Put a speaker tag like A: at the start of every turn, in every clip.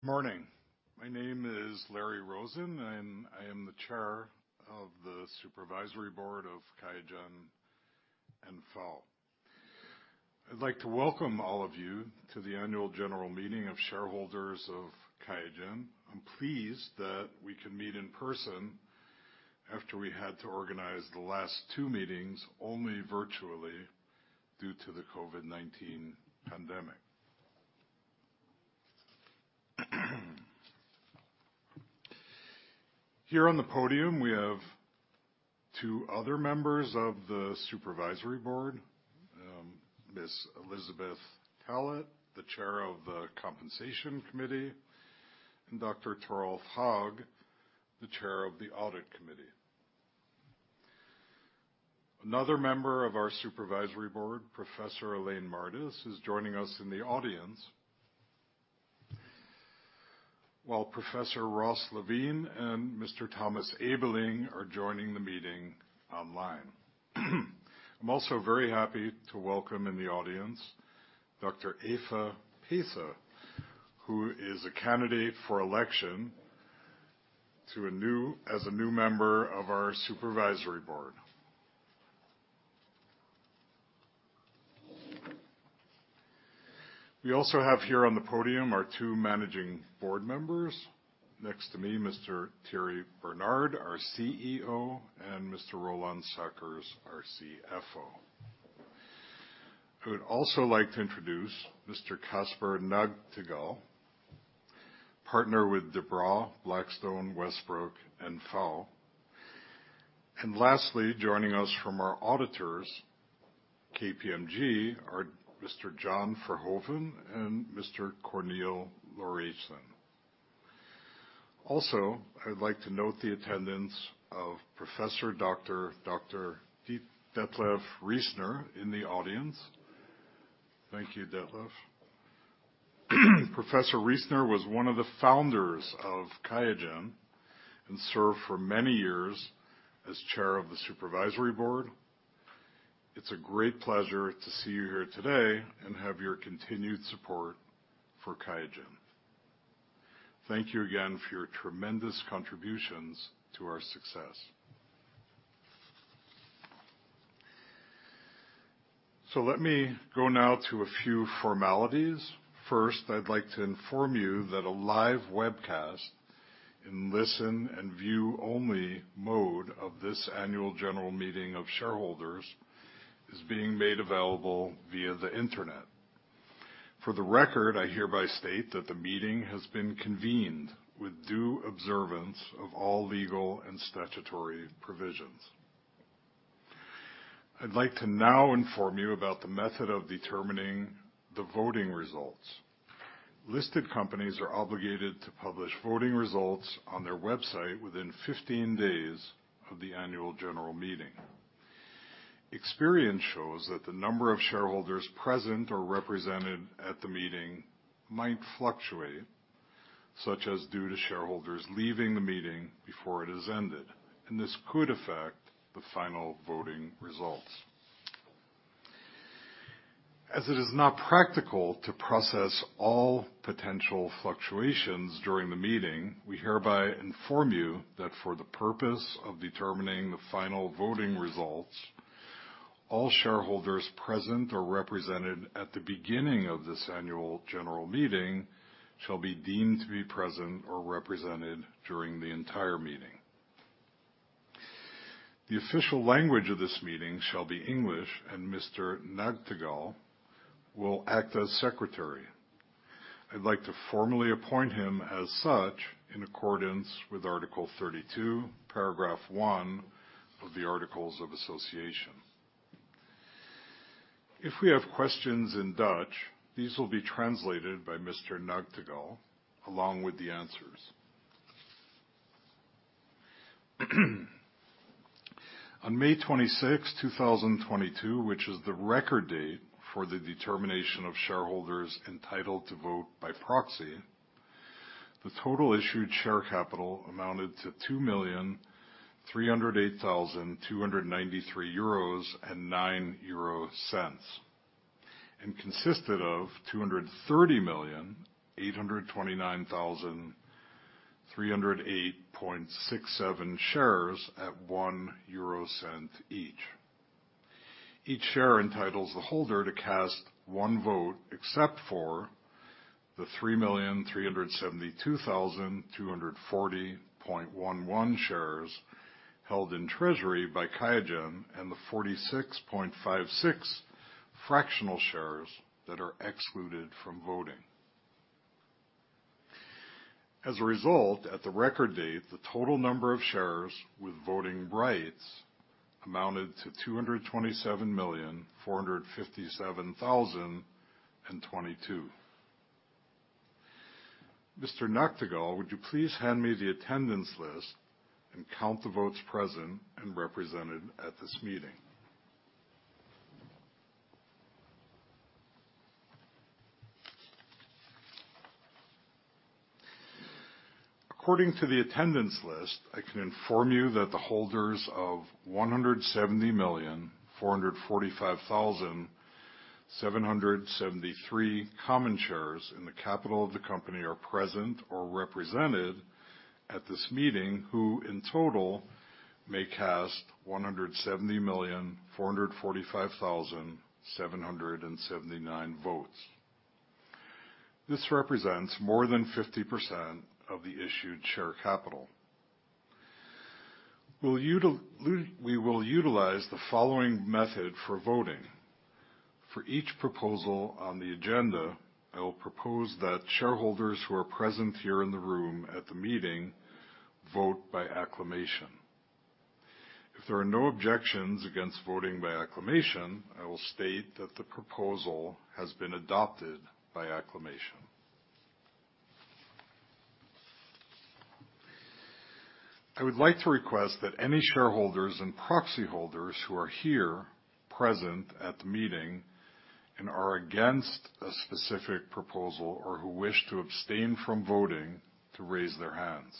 A: Morning. My name is Larry Rosen, and I am the Chair of the Supervisory Board of QIAGEN N.V. I'd like to welcome all of you to the annual general meeting of shareholders of QIAGEN. I'm pleased that we can meet in person after we had to organize the last two meetings only virtually due to the COVID-19 pandemic. Here on the podium, we have two other members of the Supervisory Board: Ms. Elizabeth Tallett, the Chair of the Compensation Committee, and Dr. Toralf Haag, the Chair of the Audit Committee. Another member of our Supervisory Board, Professor Elaine Mardis, is joining us in the audience, while Professor Ross Levine and Mr. Thomas Ebeling are joining the meeting online. I'm also very happy to welcome in the audience Dr. Eva Pisa, who is a candidate for election as a new member of our Supervisory Board. We also have here on the podium our two managing board members. Next to me, Mr. Thierry Bernard, our CEO, and Mr. Roland Sackers, our CFO. I would also like to introduce Mr. Casper Nagtegaal, partner with De Brauw Blackstone Westbroek. And lastly, joining us from our auditors, KPMG, are Mr. John Verhoeven and Mr. Kornel Lorentzen. Also, I would like to note the attendance of Professor Dr. Dr. Detlev Riesner in the audience. Thank you, Detlev. Professor Riesner was one of the founders of QIAGEN and served for many years as Chair of the Supervisory Board. It's a great pleasure to see you here today and have your continued support for QIAGEN. Thank you again for your tremendous contributions to our success. So let me go now to a few formalities. First, I'd like to inform you that a live webcast in listen and view-only mode of this annual general meeting of shareholders is being made available via the internet. For the record, I hereby state that the meeting has been convened with due observance of all legal and statutory provisions. I'd like to now inform you about the method of determining the voting results. Listed companies are obligated to publish voting results on their website within 15 days of the annual general meeting. Experience shows that the number of shareholders present or represented at the meeting might fluctuate, such as due to shareholders leaving the meeting before it has ended, and this could affect the final voting results. As it is not practical to process all potential fluctuations during the meeting, we hereby inform you that for the purpose of determining the final voting results, all shareholders present or represented at the beginning of this annual general meeting shall be deemed to be present or represented during the entire meeting. The official language of this meeting shall be English, and Mr. Nagtegaal will act as Secretary. I'd like to formally appoint him as such in accordance with Article 32, paragraph 1 of the Articles of Association. If we have questions in Dutch, these will be translated by Mr. Nagtegaal along with the answers. On May 26, 2022, which is the record date for the determination of shareholders entitled to vote by proxy, the total issued share capital amounted to 2,308,293.09 euros, and consisted of 230,829,308.67 shares at 0.01 each. Each share entitles the holder to cast one vote except for the 3,372,240.11 shares held in treasury by QIAGEN and the 46.56 fractional shares that are excluded from voting. As a result, at the record date, the total number of shares with voting rights amounted to 227,457,022. Mr. Nagtegaal, would you please hand me the attendance list and count the votes present and represented at this meeting? According to the attendance list, I can inform you that the holders of 170,445,773 common shares in the capital of the company are present or represented at this meeting who, in total, may cast 170,445,779 votes. This represents more than 50% of the issued share capital. We will utilize the following method for voting. For each proposal on the agenda, I will propose that shareholders who are present here in the room at the meeting vote by acclamation. If there are no objections against voting by acclamation, I will state that the proposal has been adopted by acclamation. I would like to request that any shareholders and proxy holders who are here present at the meeting and are against a specific proposal or who wish to abstain from voting raise their hands.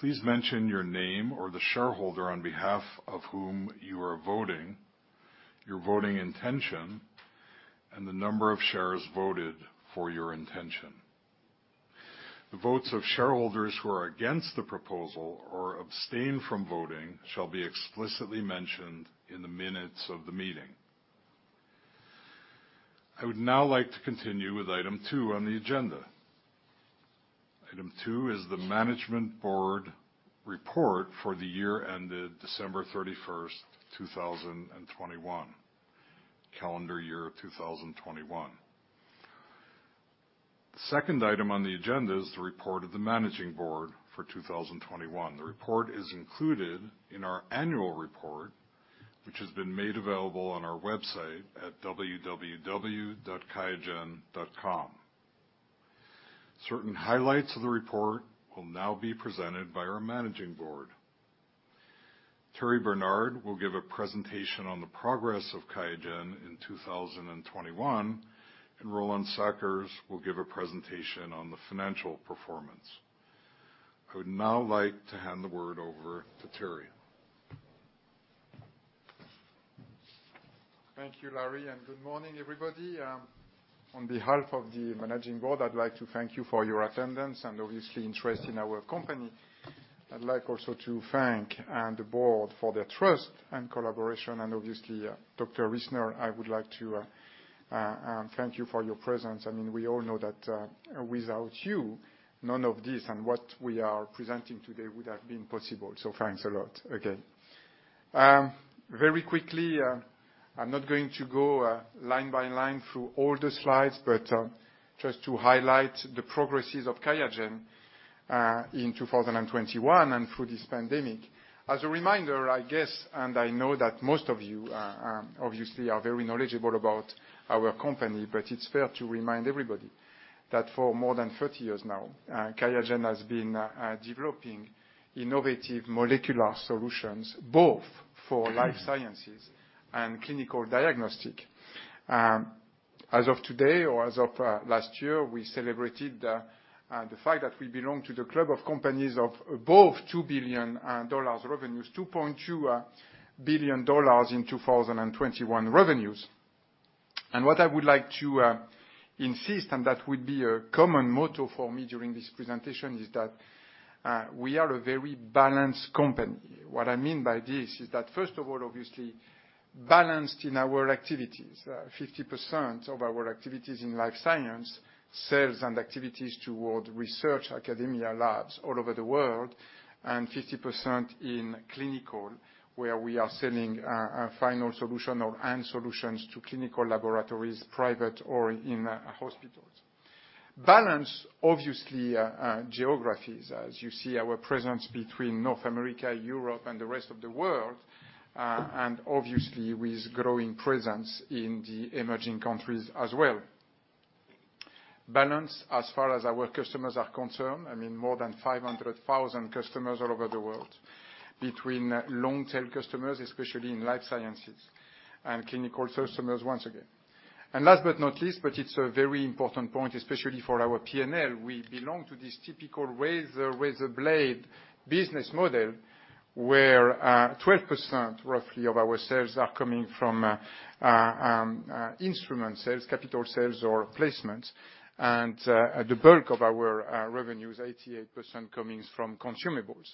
A: Please mention your name or the shareholder on behalf of whom you are voting, your voting intention, and the number of shares voted for your intention. The votes of shareholders who are against the proposal or abstain from voting shall be explicitly mentioned in the minutes of the meeting. I would now like to continue with Item 2 on the agenda. Item 2 is the Managing Board report for the year ended December 31, 2021, calendar year 2021. The second item on the agenda is the report of the Managing Board for 2021. The report is included in our annual report, which has been made available on our website at www.qiagen.com. Certain highlights of the report will now be presented by our Managing Board. Thierry Bernard will give a presentation on the progress of QIAGEN in 2021, and Roland Sackers will give a presentation on the financial performance. I would now like to hand the word over to Thierry.
B: Thank you, Larry, and good morning, everybody. On behalf of the Managing Board, I'd like to thank you for your attendance and obviously interest in our company. I'd like also to thank the board for their trust and collaboration, and obviously, Dr. Riesner, I would like to thank you for your presence. I mean, we all know that without you, none of this and what we are presenting today would have been possible. So thanks a lot again. Very quickly, I'm not going to go line by line through all the slides, but just to highlight the progress of QIAGEN in 2021 and through this pandemic. As a reminder, I guess, and I know that most of you obviously are very knowledgeable about our company, but it's fair to remind everybody that for more than 30 years now, QIAGEN has been developing innovative molecular solutions both for life sciences and clinical diagnostics. As of today or as of last year, we celebrated the fact that we belong to the club of companies of above $2 billion revenues, $2.2 billion in 2021 revenues. What I would like to insist, and that would be a common motto for me during this presentation, is that we are a very balanced company. What I mean by this is that, first of all, obviously, balanced in our activities. 50% of our activities in life sciences sales and activities toward research, academia, labs all over the world, and 50% in clinical where we are selling final solutions or end solutions to clinical laboratories, private or in hospitals. Balanced, obviously, geographies, as you see our presence between North America, Europe, and the rest of the world, and obviously with growing presence in the emerging countries as well. Balanced as far as our customers are concerned. I mean, more than 500,000 customers all over the world, between long-tail customers, especially in life sciences, and clinical customers once again. Last but not least, but it's a very important point, especially for our P&L, we belong to this typical razor-blade business model where 12% roughly of our sales are coming from instrument sales, capital sales, or placements, and the bulk of our revenues, 88%, comes from consumables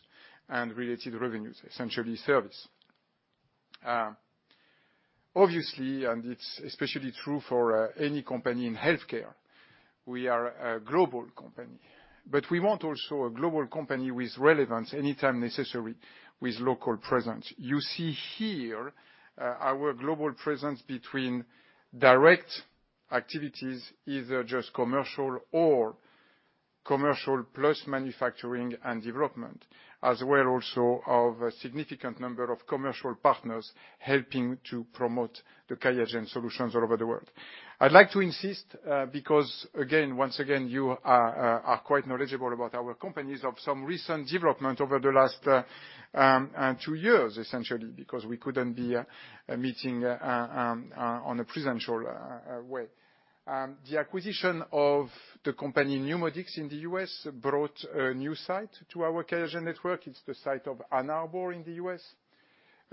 B: and related revenues, essentially service. Obviously, and it's especially true for any company in healthcare, we are a global company, but we want also a global company with relevance anytime necessary with local presence. You see here our global presence between direct activities, either just commercial or commercial plus manufacturing and development, as well also of a significant number of commercial partners helping to promote the QIAGEN solutions all over the world. I'd like to insist because, again, once again, you are quite knowledgeable about our companies of some recent development over the last two years, essentially, because we couldn't be meeting on a presential way. The acquisition of the company NeuMoDx in the U.S. brought a new site to our QIAGEN network. It's the site of Ann Arbor in the U.S.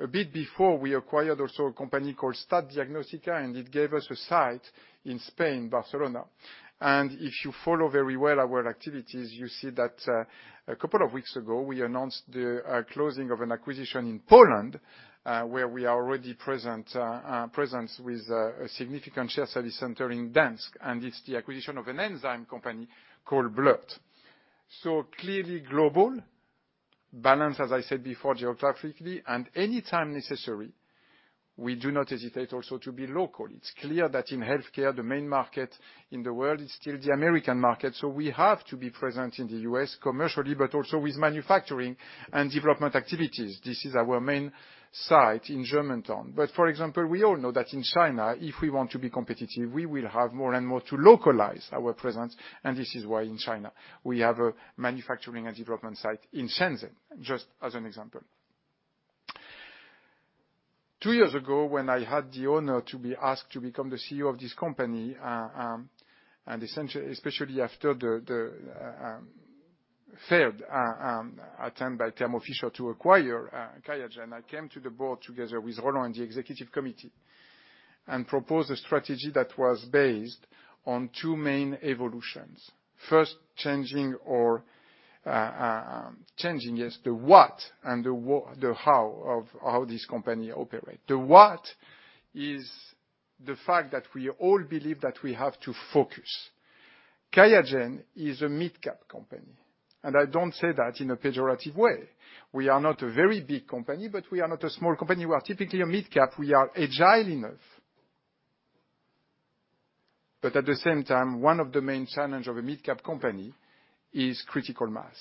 B: A bit before, we acquired also a company called STAT-Dx, and it gave us a site in Spain, Barcelona. If you follow very well our activities, you see that a couple of weeks ago, we announced the closing of an acquisition in Poland where we are already present with a significant shared service center in Gdańsk, and it's the acquisition of an enzyme company called BLIRT. So clearly global, balanced, as I said before, geographically, and anytime necessary, we do not hesitate also to be local. It's clear that in healthcare, the main market in the world is still the American market, so we have to be present in the U.S. commercially, but also with manufacturing and development activities. This is our main site in Germantown. For example, we all know that in China, if we want to be competitive, we will have more and more to localize our presence, and this is why in China we have a manufacturing and development site in Shenzhen, just as an example. Two years ago, when I had the honor to be asked to become the CEO of this company, and especially after the failed attempt by Thermo Fisher to acquire QIAGEN, I came to the board together with Roland and the executive committee and proposed a strategy that was based on two main evolutions. First, changing, yes, the what and the how of how this company operates. The what is the fact that we all believe that we have to focus. QIAGEN is a mid-cap company, and I don't say that in a pejorative way. We are not a very big company, but we are not a small company. We are typically a mid-cap. We are agile enough, but at the same time, one of the main challenges of a mid-cap company is critical mass,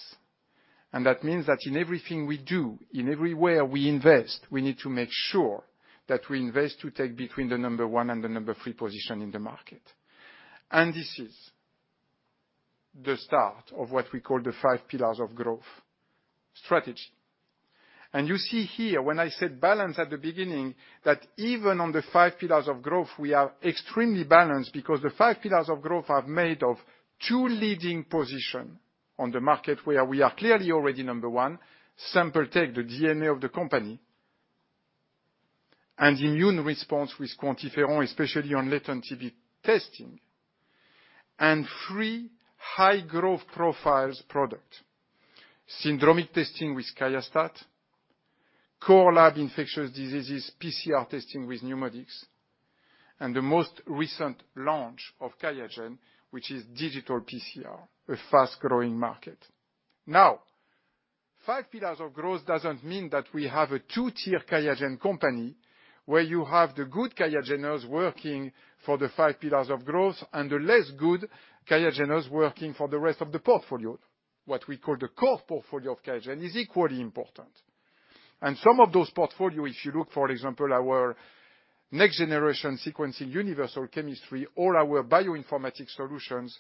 B: and that means that in everything we do, in everywhere we invest, we need to make sure that we invest to take between the number one and the number three position in the market, and this is the start of what we call the five pillars of growth strategy. You see here, when I said balance at the beginning, that even on the five pillars of growth, we are extremely balanced because the five pillars of growth are made of two leading positions on the market where we are clearly already number one, Sample Tech, the DNA of the company, and Immune Response with QuantiFERON, especially on latent TB testing, and three high-growth profiles products: syndromic testing with QIAstat-Dx, core lab infectious diseases, PCR testing with NeuMoDx, and the most recent launch of QIAGEN, which is digital PCR, a fast-growing market. Now, five pillars of growth doesn't mean that we have a two-tier QIAGEN company where you have the good Qiageners working for the five pillars of growth and the less good Qiageners working for the rest of the portfolio. What we call the core portfolio of QIAGEN is equally important. And some of those portfolios, if you look, for example, our next-generation sequencing universal chemistry, all our bioinformatics solutions,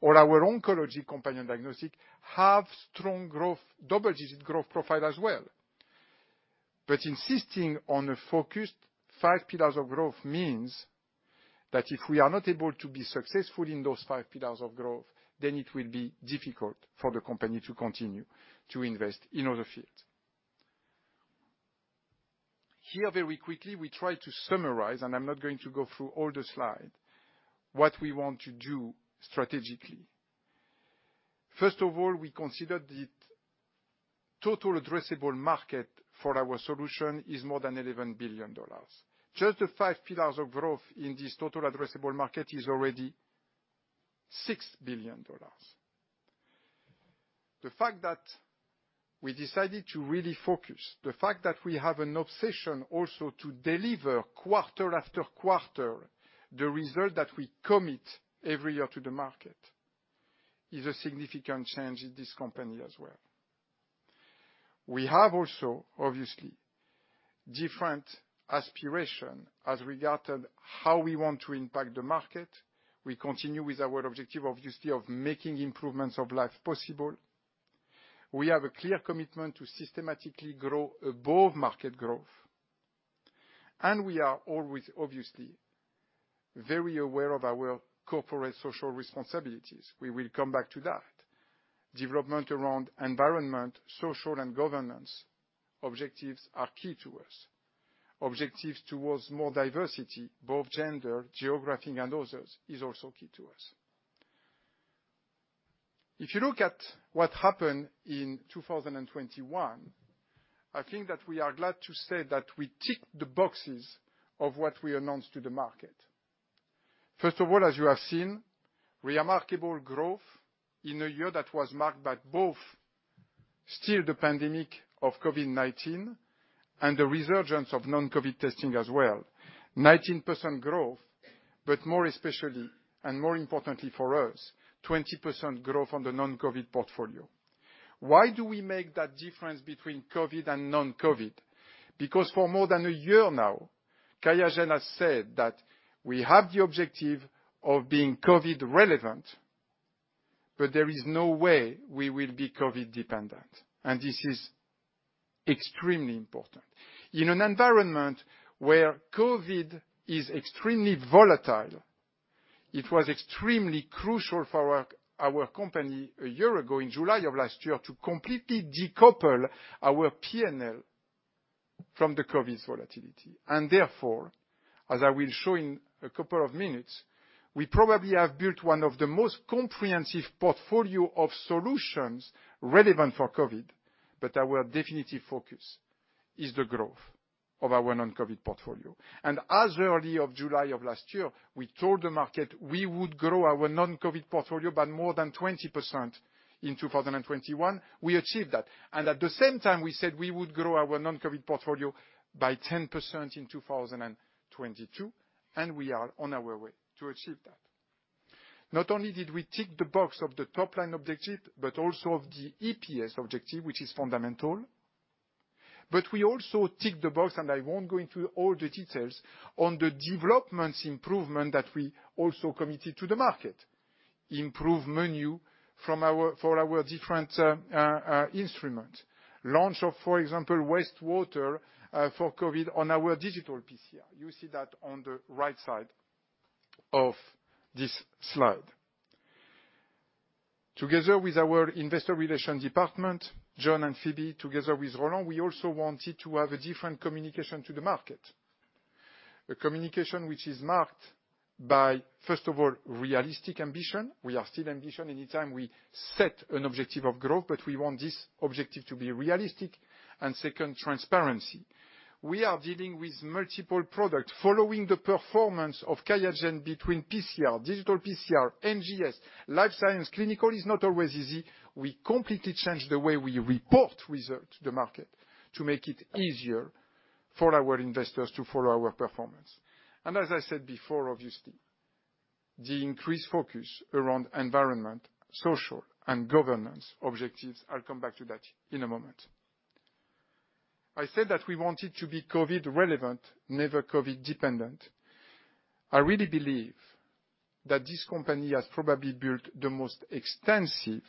B: or our oncology companion diagnostic have strong growth, double-digit growth profile as well. But insisting on a focused five pillars of growth means that if we are not able to be successful in those five pillars of growth, then it will be difficult for the company to continue to invest in other fields. Here, very quickly, we try to summarize, and I'm not going to go through all the slides, what we want to do strategically. First of all, we consider the total addressable market for our solution is more than $11 billion. Just the five pillars of growth in this total addressable market is already $6 billion. The fact that we decided to really focus, the fact that we have an obsession also to deliver quarter after quarter the result that we commit every year to the market is a significant change in this company as well. We have also, obviously, different aspirations as regarding how we want to impact the market. We continue with our objective, obviously, of making improvements of life possible. We have a clear commitment to systematically grow above market growth, and we are always, obviously, very aware of our corporate social responsibilities. We will come back to that. Development around environment, social, and governance objectives are key to us. Objectives towards more diversity, both gender, geography, and others is also key to us. If you look at what happened in 2021, I think that we are glad to say that we ticked the boxes of what we announced to the market. First of all, as you have seen, remarkable growth in a year that was marked by both still the pandemic of COVID-19 and the resurgence of non-COVID testing as well. 19% growth, but more especially and more importantly for us, 20% growth on the non-COVID portfolio. Why do we make that difference between COVID and non-COVID? Because for more than a year now, QIAGEN has said that we have the objective of being COVID-relevant, but there is no way we will be COVID-dependent, and this is extremely important. In an environment where COVID is extremely volatile, it was extremely crucial for our company a year ago in July of last year to completely decouple our P&L from the COVID volatility. Therefore, as I will show in a couple of minutes, we probably have built one of the most comprehensive portfolios of solutions relevant for COVID, but our definitive focus is the growth of our non-COVID portfolio. As early as July of last year, we told the market we would grow our non-COVID portfolio by more than 20% in 2021. We achieved that. At the same time, we said we would grow our non-COVID portfolio by 10% in 2022, and we are on our way to achieve that. Not only did we tick the box of the top-line objective, but also of the EPS objective, which is fundamental, but we also ticked the box, and I won't go into all the details on the development improvement that we also committed to the market, improved menu for our different instruments, launch of, for example, wastewater for COVID on our digital PCR. You see that on the right side of this slide. Together with our investor relations department, John and Phoebe, together with Roland, we also wanted to have a different communication to the market. A communication which is marked by, first of all, realistic ambition. We are still ambitious anytime we set an objective of growth, but we want this objective to be realistic, and second, transparency. We are dealing with multiple products. Following the performance of QIAGEN between PCR, digital PCR, NGS, life science, clinical is not always easy. We completely changed the way we report results to the market to make it easier for our investors to follow our performance. And as I said before, obviously, the increased focus around environment, social, and governance objectives. I'll come back to that in a moment. I said that we wanted to be COVID-relevant, never COVID-dependent. I really believe that this company has probably built the most extensive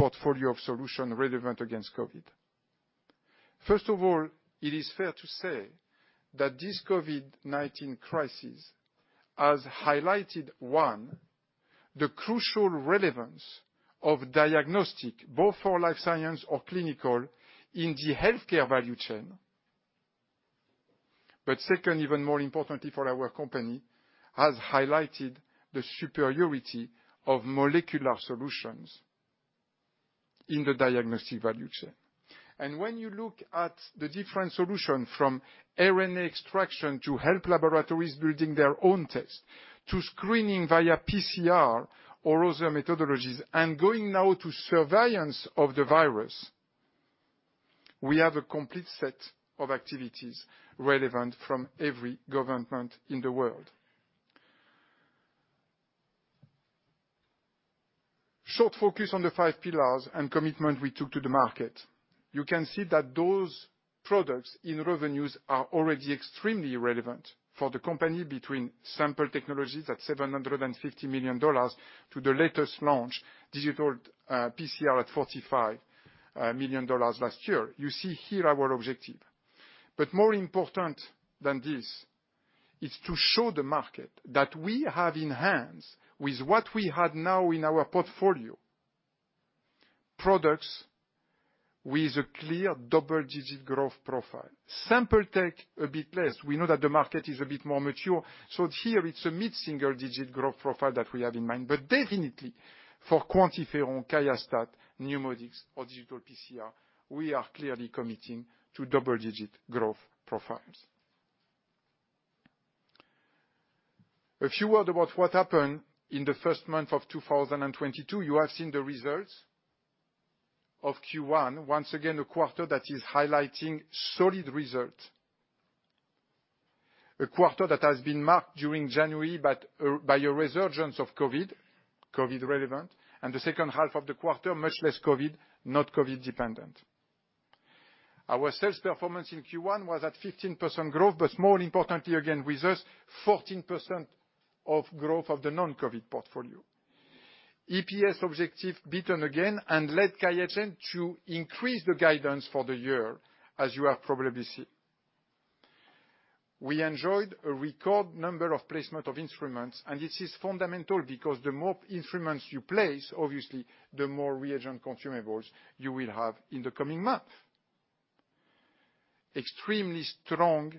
B: portfolio of solutions relevant against COVID. First of all, it is fair to say that this COVID-19 crisis has highlighted one, the crucial relevance of diagnostics, both for life science or clinical, in the healthcare value chain, but second, even more importantly for our company, has highlighted the superiority of molecular solutions in the diagnostics value chain. And when you look at the different solutions from RNA extraction to health laboratories building their own tests to screening via PCR or other methodologies and going now to surveillance of the virus, we have a complete set of activities relevant from every government in the world. Short focus on the five pillars and commitment we took to the market. You can see that those products in revenues are already extremely relevant for the company between sample technologies at $750 million to the latest launch digital PCR at $45 million last year. You see here our objective. But more important than this, it's to show the market that we have in hand with what we had now in our portfolio products with a clear double-digit growth profile. Sample tech a bit less. We know that the market is a bit more mature. So here, it's a mid-single-digit growth profile that we have in mind. But definitely, for QuantiFERON, QIAstat-Dx, NeuMoDx, or Digital PCR, we are clearly committing to double-digit growth profiles. A few words about what happened in the first month of 2022. You have seen the results of Q1. Once again, a quarter that is highlighting solid results. A quarter that has been marked during January by a resurgence of COVID, COVID-relevant, and the second half of the quarter, much less COVID, not COVID-dependent. Our sales performance in Q1 was at 15% growth, but more importantly, again, with us, 14% growth of the non-COVID portfolio. EPS objective beaten again and led QIAGEN to increase the guidance for the year, as you have probably seen. We enjoyed a record number of placements of instruments, and this is fundamental because the more instruments you place, obviously, the more reagent consumables you will have in the coming month. Extremely strong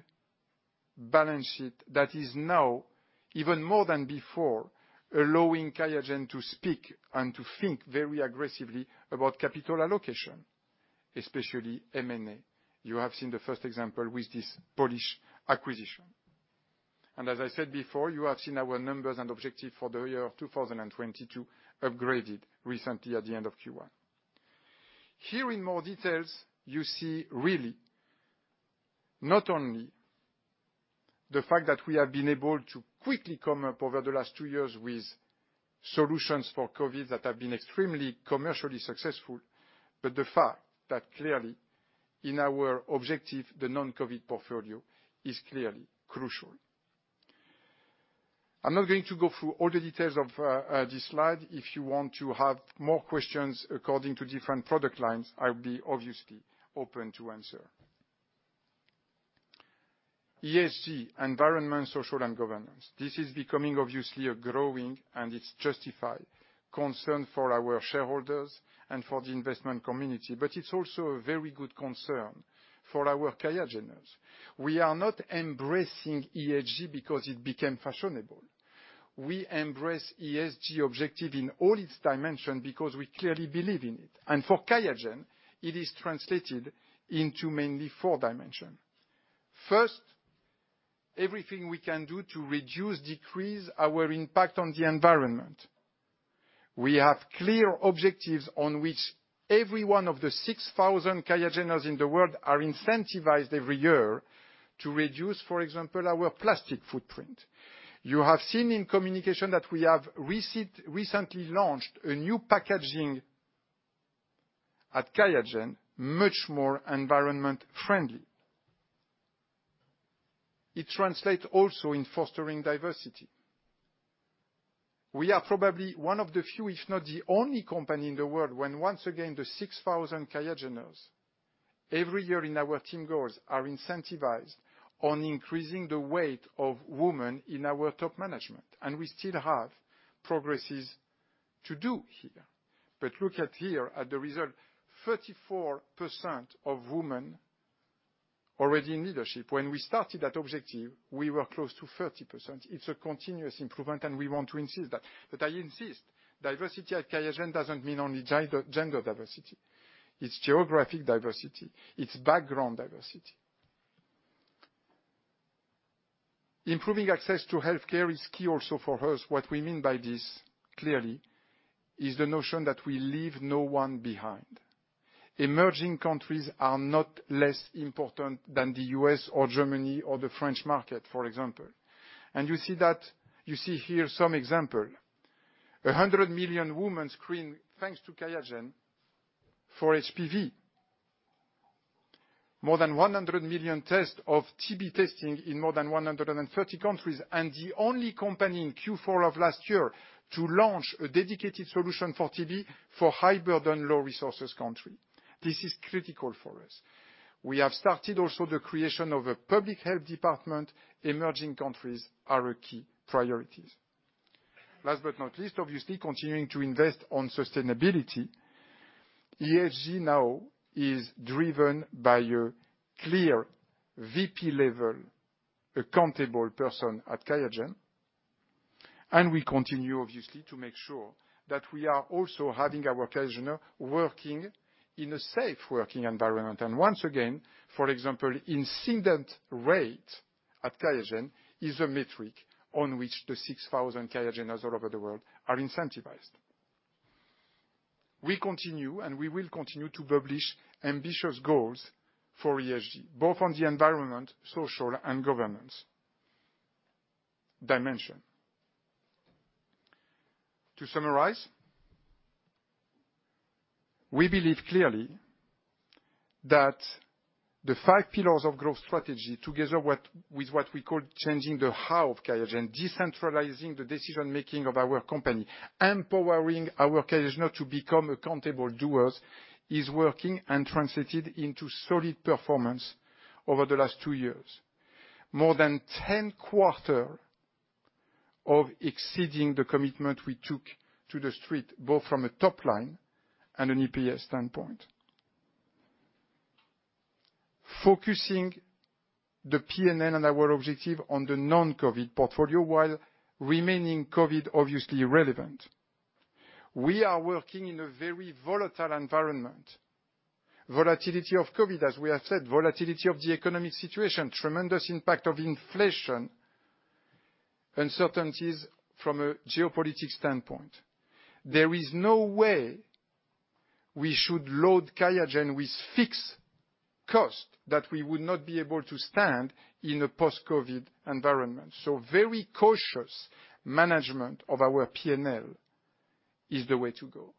B: balance sheet that is now, even more than before, allowing QIAGEN to speak and to think very aggressively about capital allocation, especially M&A. You have seen the first example with this Polish acquisition. And as I said before, you have seen our numbers and objective for the year 2022 upgraded recently at the end of Q1. Here, in more details, you see really not only the fact that we have been able to quickly come up over the last two years with solutions for COVID that have been extremely commercially successful, but the fact that clearly in our objective, the non-COVID portfolio is clearly crucial. I'm not going to go through all the details of this slide. If you want to have more questions according to different product lines, I'll be obviously open to answer. ESG, environment, social, and governance. This is becoming obviously a growing and it's justified concern for our shareholders and for the investment community, but it's also a very good concern for our QIAGENers. We are not embracing ESG because it became fashionable. We embrace ESG objective in all its dimensions because we clearly believe in it. For QIAGEN, it is translated into mainly four dimensions. First, everything we can do to reduce, decrease our impact on the environment. We have clear objectives on which every one of the 6,000 QIAGENers in the world are incentivized every year to reduce, for example, our plastic footprint. You have seen in communication that we have recently launched a new packaging at QIAGEN, much more environment-friendly. It translates also in fostering diversity. We are probably one of the few, if not the only company in the world. When once again the 6,000 QIAGENers every year in our team goals are incentivized on increasing the weight of women in our top management. And we still have progresses to do here. But look here at the result, 34% of women already in leadership. When we started that objective, we were close to 30%. It's a continuous improvement, and we want to insist that. But I insist, diversity at QIAGEN doesn't mean only gender diversity. It's geographic diversity. It's background diversity. Improving access to healthcare is key also for us. What we mean by this clearly is the notion that we leave no one behind. Emerging countries are not less important than the U.S. or Germany or the French market, for example. And you see here some example. 100 million women screened thanks to QIAGEN for HPV. More than 100 million tests of TB testing in more than 130 countries, and the only company in Q4 of last year to launch a dedicated solution for TB for high-burden low-resources countries. This is critical for us. We have started also the creation of a public health department. Emerging countries are a key priority. Last but not least, obviously, continuing to invest on sustainability. ESG now is driven by a clear VP-level accountable person at QIAGEN, and we continue, obviously, to make sure that we are also having our QIAGENers working in a safe working environment, and once again, for example, incident rate at QIAGEN is a metric on which the 6,000 QIAGENers all over the world are incentivized. We continue and we will continue to publish ambitious goals for ESG, both on the environment, social, and governance dimension. To summarize, we believe clearly that the five pillars of growth strategy together with what we call changing the how of QIAGEN, decentralizing the decision-making of our company, empowering our QIAGENers to become accountable doers is working and translated into solid performance over the last two years. More than 10 quarters of exceeding the commitment we took to the street, both from a top-line and an EPS standpoint. Focusing the P&L and our objective on the non-COVID portfolio while remaining COVID-obviously relevant. We are working in a very volatile environment. Volatility of COVID, as we have said, volatility of the economic situation, tremendous impact of inflation, uncertainties from a geopolitical standpoint. There is no way we should load QIAGEN with fixed costs that we would not be able to stand in a post-COVID environment. So very cautious management of our P&L is the way to go.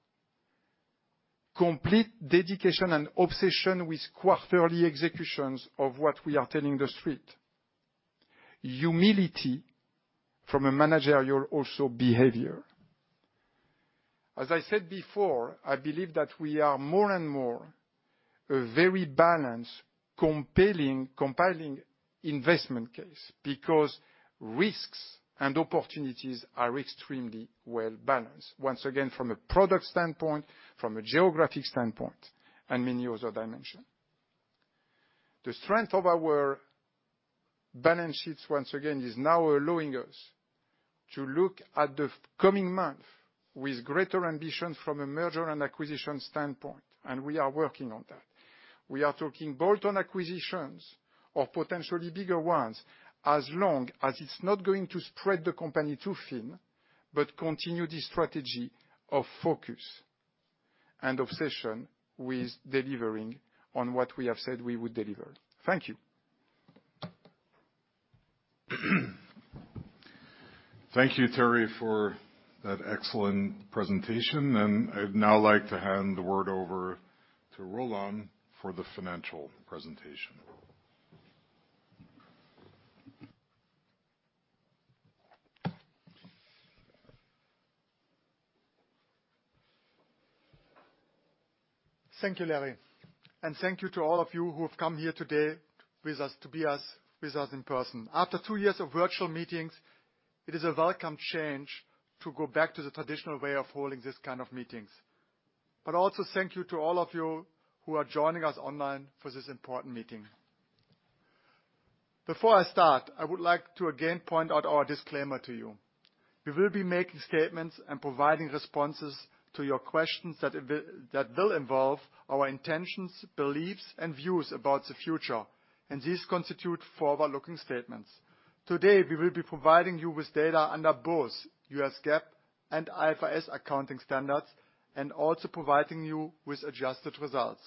B: Complete dedication and obsession with quarterly executions of what we are telling the street. Humility from a managerial also behavior. As I said before, I believe that we are more and more a very balanced, compelling, compelling investment case because risks and opportunities are extremely well balanced. Once again, from a product standpoint, from a geographic standpoint, and many other dimensions. The strength of our balance sheets, once again, is now allowing us to look at the coming month with greater ambition from a merger and acquisition standpoint, and we are working on that. We are talking bolt-on acquisitions or potentially bigger ones as long as it's not going to spread the company too thin, but continue the strategy of focus and obsession with delivering on what we have said we would deliver. Thank you.
A: Thank you, Thierry, for that excellent presentation. And I'd now like to hand the word over to Roland for the financial presentation.
C: Thank you, Larry. And thank you to all of you who have come here today with us to be with us in person. After two years of virtual meetings, it is a welcome change to go back to the traditional way of holding this kind of meetings. But also, thank you to all of you who are joining us online for this important meeting. Before I start, I would like to again point out our disclaimer to you. We will be making statements and providing responses to your questions that will involve our intentions, beliefs, and views about the future. And these constitute forward-looking statements. Today, we will be providing you with data under both U.S. GAAP and IFRS accounting standards and also providing you with adjusted results.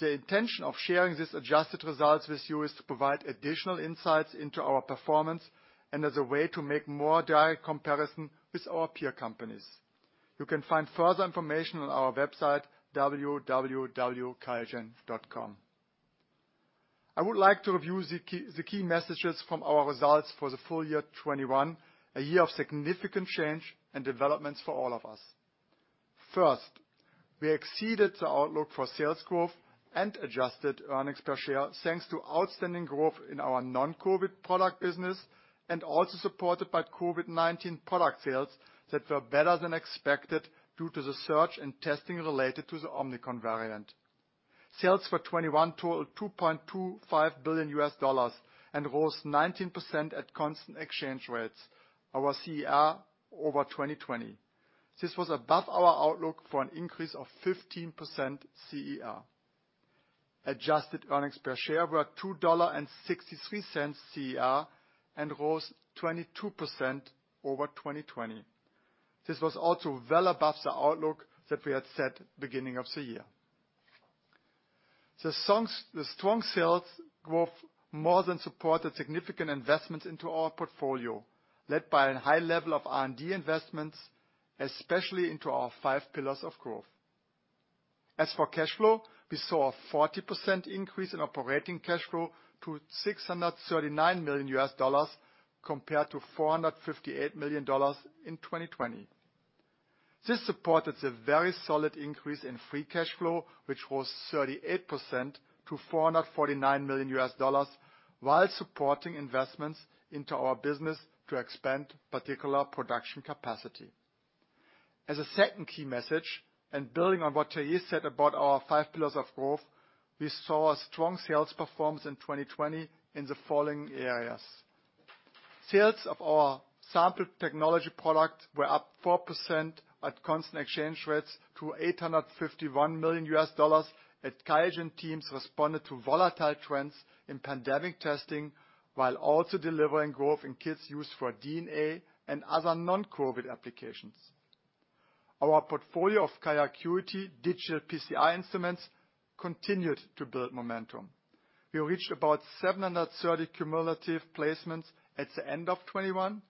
C: The intention of sharing these adjusted results with you is to provide additional insights into our performance and as a way to make more direct comparison with our peer companies. You can find further information on our website, www.qiagen.com. I would like to review the key messages from our results for the full year 2021, a year of significant change and developments for all of us. First, we exceeded the outlook for sales growth and adjusted earnings per share thanks to outstanding growth in our non-COVID product business and also supported by COVID-19 product sales that were better than expected due to the search and testing related to the Omicron variant. Sales for 2021 totaled $2.25 billion and rose 19% at constant exchange rates, our CER over 2020. This was above our outlook for an increase of 15% CER. Adjusted earnings per share were $2.63 CER and rose 22% over 2020. This was also well above the outlook that we had set beginning of the year. The strong sales growth more than supported significant investments into our portfolio, led by a high level of R&D investments, especially into our five pillars of growth. As for cash flow, we saw a 40% increase in operating cash flow to $639 million compared to $458 million in 2020. This supported a very solid increase in free cash flow, which rose 38% to $449 million while supporting investments into our business to expand particular production capacity. As a second key message, and building on what Thierry said about our five pillars of growth, we saw a strong sales performance in 2020 in the following areas. Sales of our Sample Technologies products were up 4% at constant exchange rates to $851 million. QIAGEN teams responded to volatile trends in pandemic testing while also delivering growth in kits use for DNA and other non-COVID applications. Our portfolio of QIAcuity Digital PCR instruments continued to build momentum. We reached about 730 cumulative placements at the end of 2021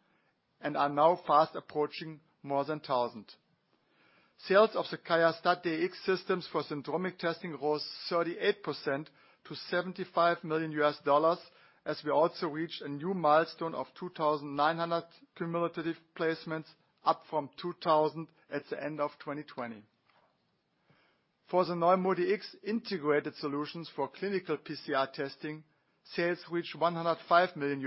C: and are now fast approaching more than 1,000. Sales of the QIAstat-Dx systems for syndromic testing rose 38% to $75 million as we also reached a new milestone of 2,900 cumulative placements, up from 2,000 at the end of 2020. For the NeuMoDx integrated solutions for clinical PCR testing, sales reached $105 million,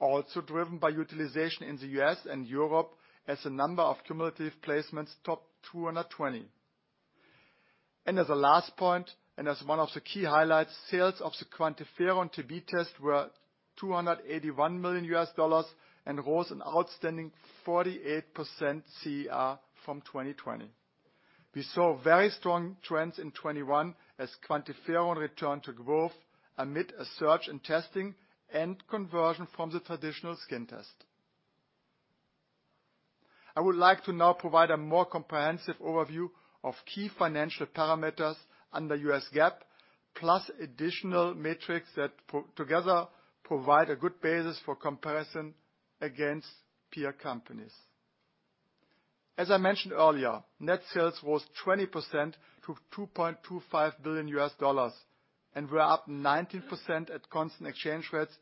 C: also driven by utilization in the U.S. and Europe as the number of cumulative placements topped 220. As a last point, and as one of the key highlights, sales of the QuantiFERON-TB test were $281 million and rose an outstanding 48% CER from 2020. We saw very strong trends in 2021 as QuantiFERON returned to growth amid a surge in testing and conversion from the traditional skin test. I would like to now provide a more comprehensive overview of key financial parameters under U.S. GAAP, plus additional metrics that together provide a good basis for comparison against peer companies. As I mentioned earlier, net sales rose 20% to $2.25 billion and were up 19% at constant exchange rates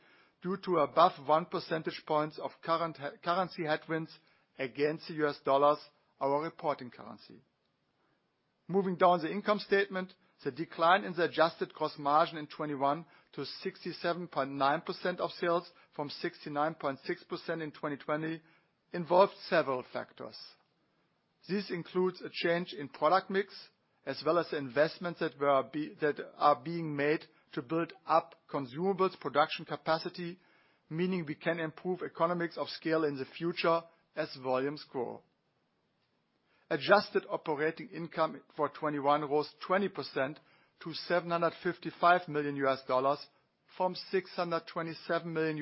C: due to above one percentage points of currency headwinds against the U.S. dollars, our reporting currency. Moving down the income statement, the decline in the adjusted cost margin in 2021 to 67.9% of sales from 69.6% in 2020 involved several factors. This includes a change in product mix as well as investments that are being made to build up consumables production capacity, meaning we can improve economics of scale in the future as volumes grow. Adjusted operating income for 2021 rose 20% to $755 million from $627 million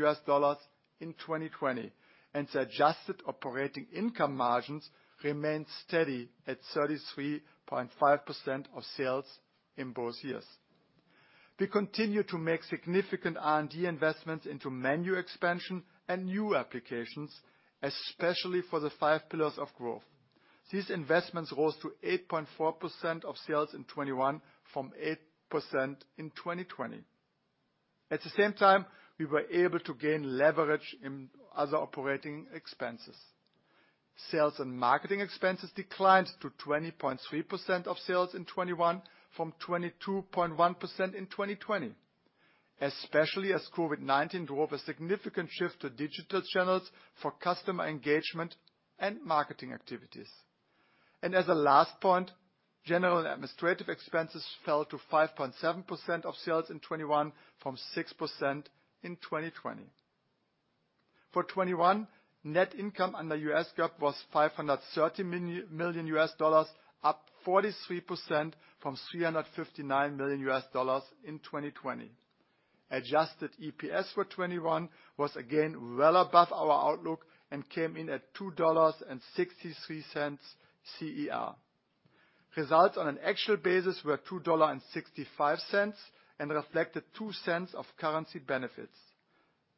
C: in 2020. And the adjusted operating income margins remained steady at 33.5% of sales in both years. We continue to make significant R&D investments into menu expansion and new applications, especially for the five pillars of growth. These investments rose to 8.4% of sales in 2021 from 8% in 2020. At the same time, we were able to gain leverage in other operating expenses. Sales and marketing expenses declined to 20.3% of sales in 2021 from 22.1% in 2020, especially as COVID-19 drove a significant shift to digital channels for customer engagement and marketing activities. As a last point, general administrative expenses fell to 5.7% of sales in 2021 from 6% in 2020. For 2021, net income under U.S. GAAP was $530 million US dollars, up 43% from $359 million in 2020. Adjusted EPS for 2021 was again well above our outlook and came in at $2.63 CER. Results on an actual basis were $2.65 and reflected $0.02 of currency benefits.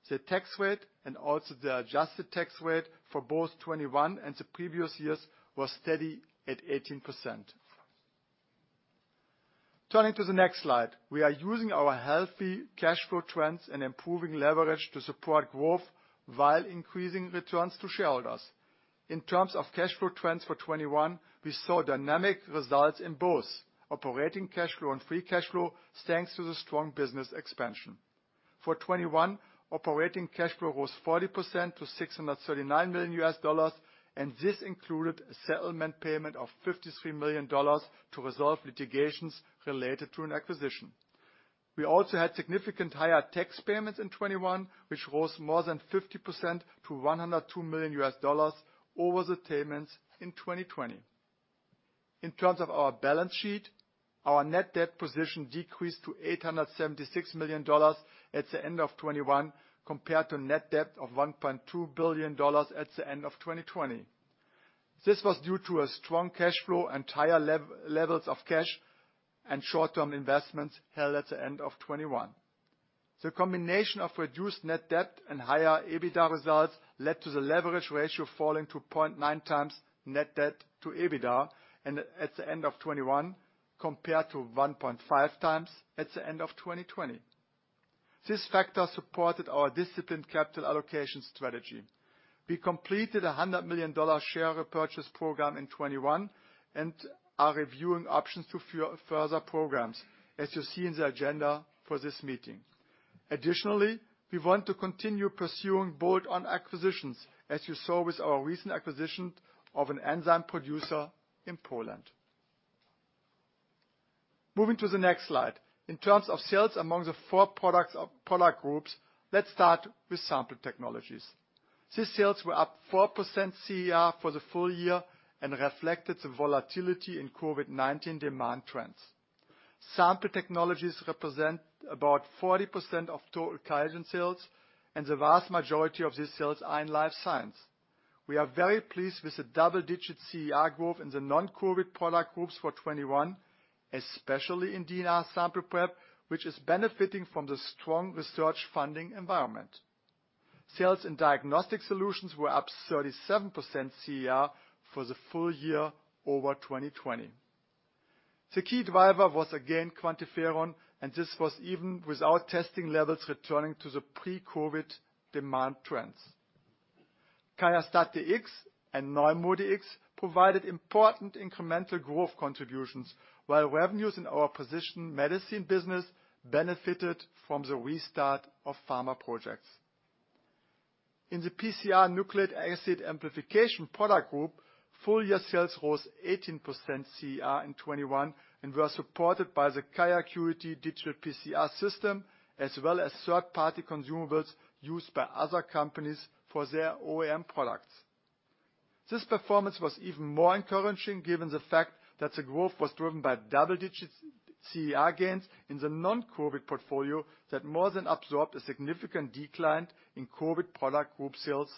C: The tax rate and also the adjusted tax rate for both 2021 and the previous years were steady at 18%. Turning to the next slide, we are using our healthy cash flow trends and improving leverage to support growth while increasing returns to shareholders. In terms of cash flow trends for 2021, we saw dynamic results in both operating cash flow and free cash flow thanks to the strong business expansion. For 2021, operating cash flow rose 40% to $639 million, and this included a settlement payment of $53 million to resolve litigations related to an acquisition. We also had significant higher tax payments in 2021, which rose more than 50% to $102 million over the payments in 2020. In terms of our balance sheet, our net debt position decreased to $876 million at the end of 2021 compared to net debt of $1.2 billion at the end of 2020. This was due to a strong cash flow and higher levels of cash and short-term investments held at the end of 2021. The combination of reduced net debt and higher EBITDA results led to the leverage ratio falling to 0.9 times net debt to EBITDA at the end of 2021 compared to 1.5 times at the end of 2020. This factor supported our disciplined capital allocation strategy. We completed a $100 million share repurchase program in 2021 and are reviewing options to further programs, as you see in the agenda for this meeting. Additionally, we want to continue pursuing bolt-on acquisitions, as you saw with our recent acquisition of an enzyme producer in Poland. Moving to the next slide, in terms of sales among the four product groups, let's start with sample technologies. These sales were up 4% CER for the full year and reflected the volatility in COVID-19 demand trends. Sample technologies represent about 40% of total QIAGEN sales, and the vast majority of these sales are in life science. We are very pleased with the double-digit CER growth in the non-COVID product groups for 2021, especially in DNA sample prep, which is benefiting from the strong research funding environment. Sales in diagnostic solutions were up 37% CER for the full year over 2020. The key driver was again QuantiFERON, and this was even without testing levels returning to the pre-COVID demand trends. QIAstat-Dx and NeuMoDx provided important incremental growth contributions, while revenues in our precision medicine business benefited from the restart of pharma projects. In the PCR nucleic acid amplification product group, full year sales rose 18% CER in 2021 and were supported by the QIAcuity digital PCR system as well as third-party consumables used by other companies for their OEM products. This performance was even more encouraging given the fact that the growth was driven by double-digit CER gains in the non-COVID portfolio that more than absorbed a significant decline in COVID product group sales.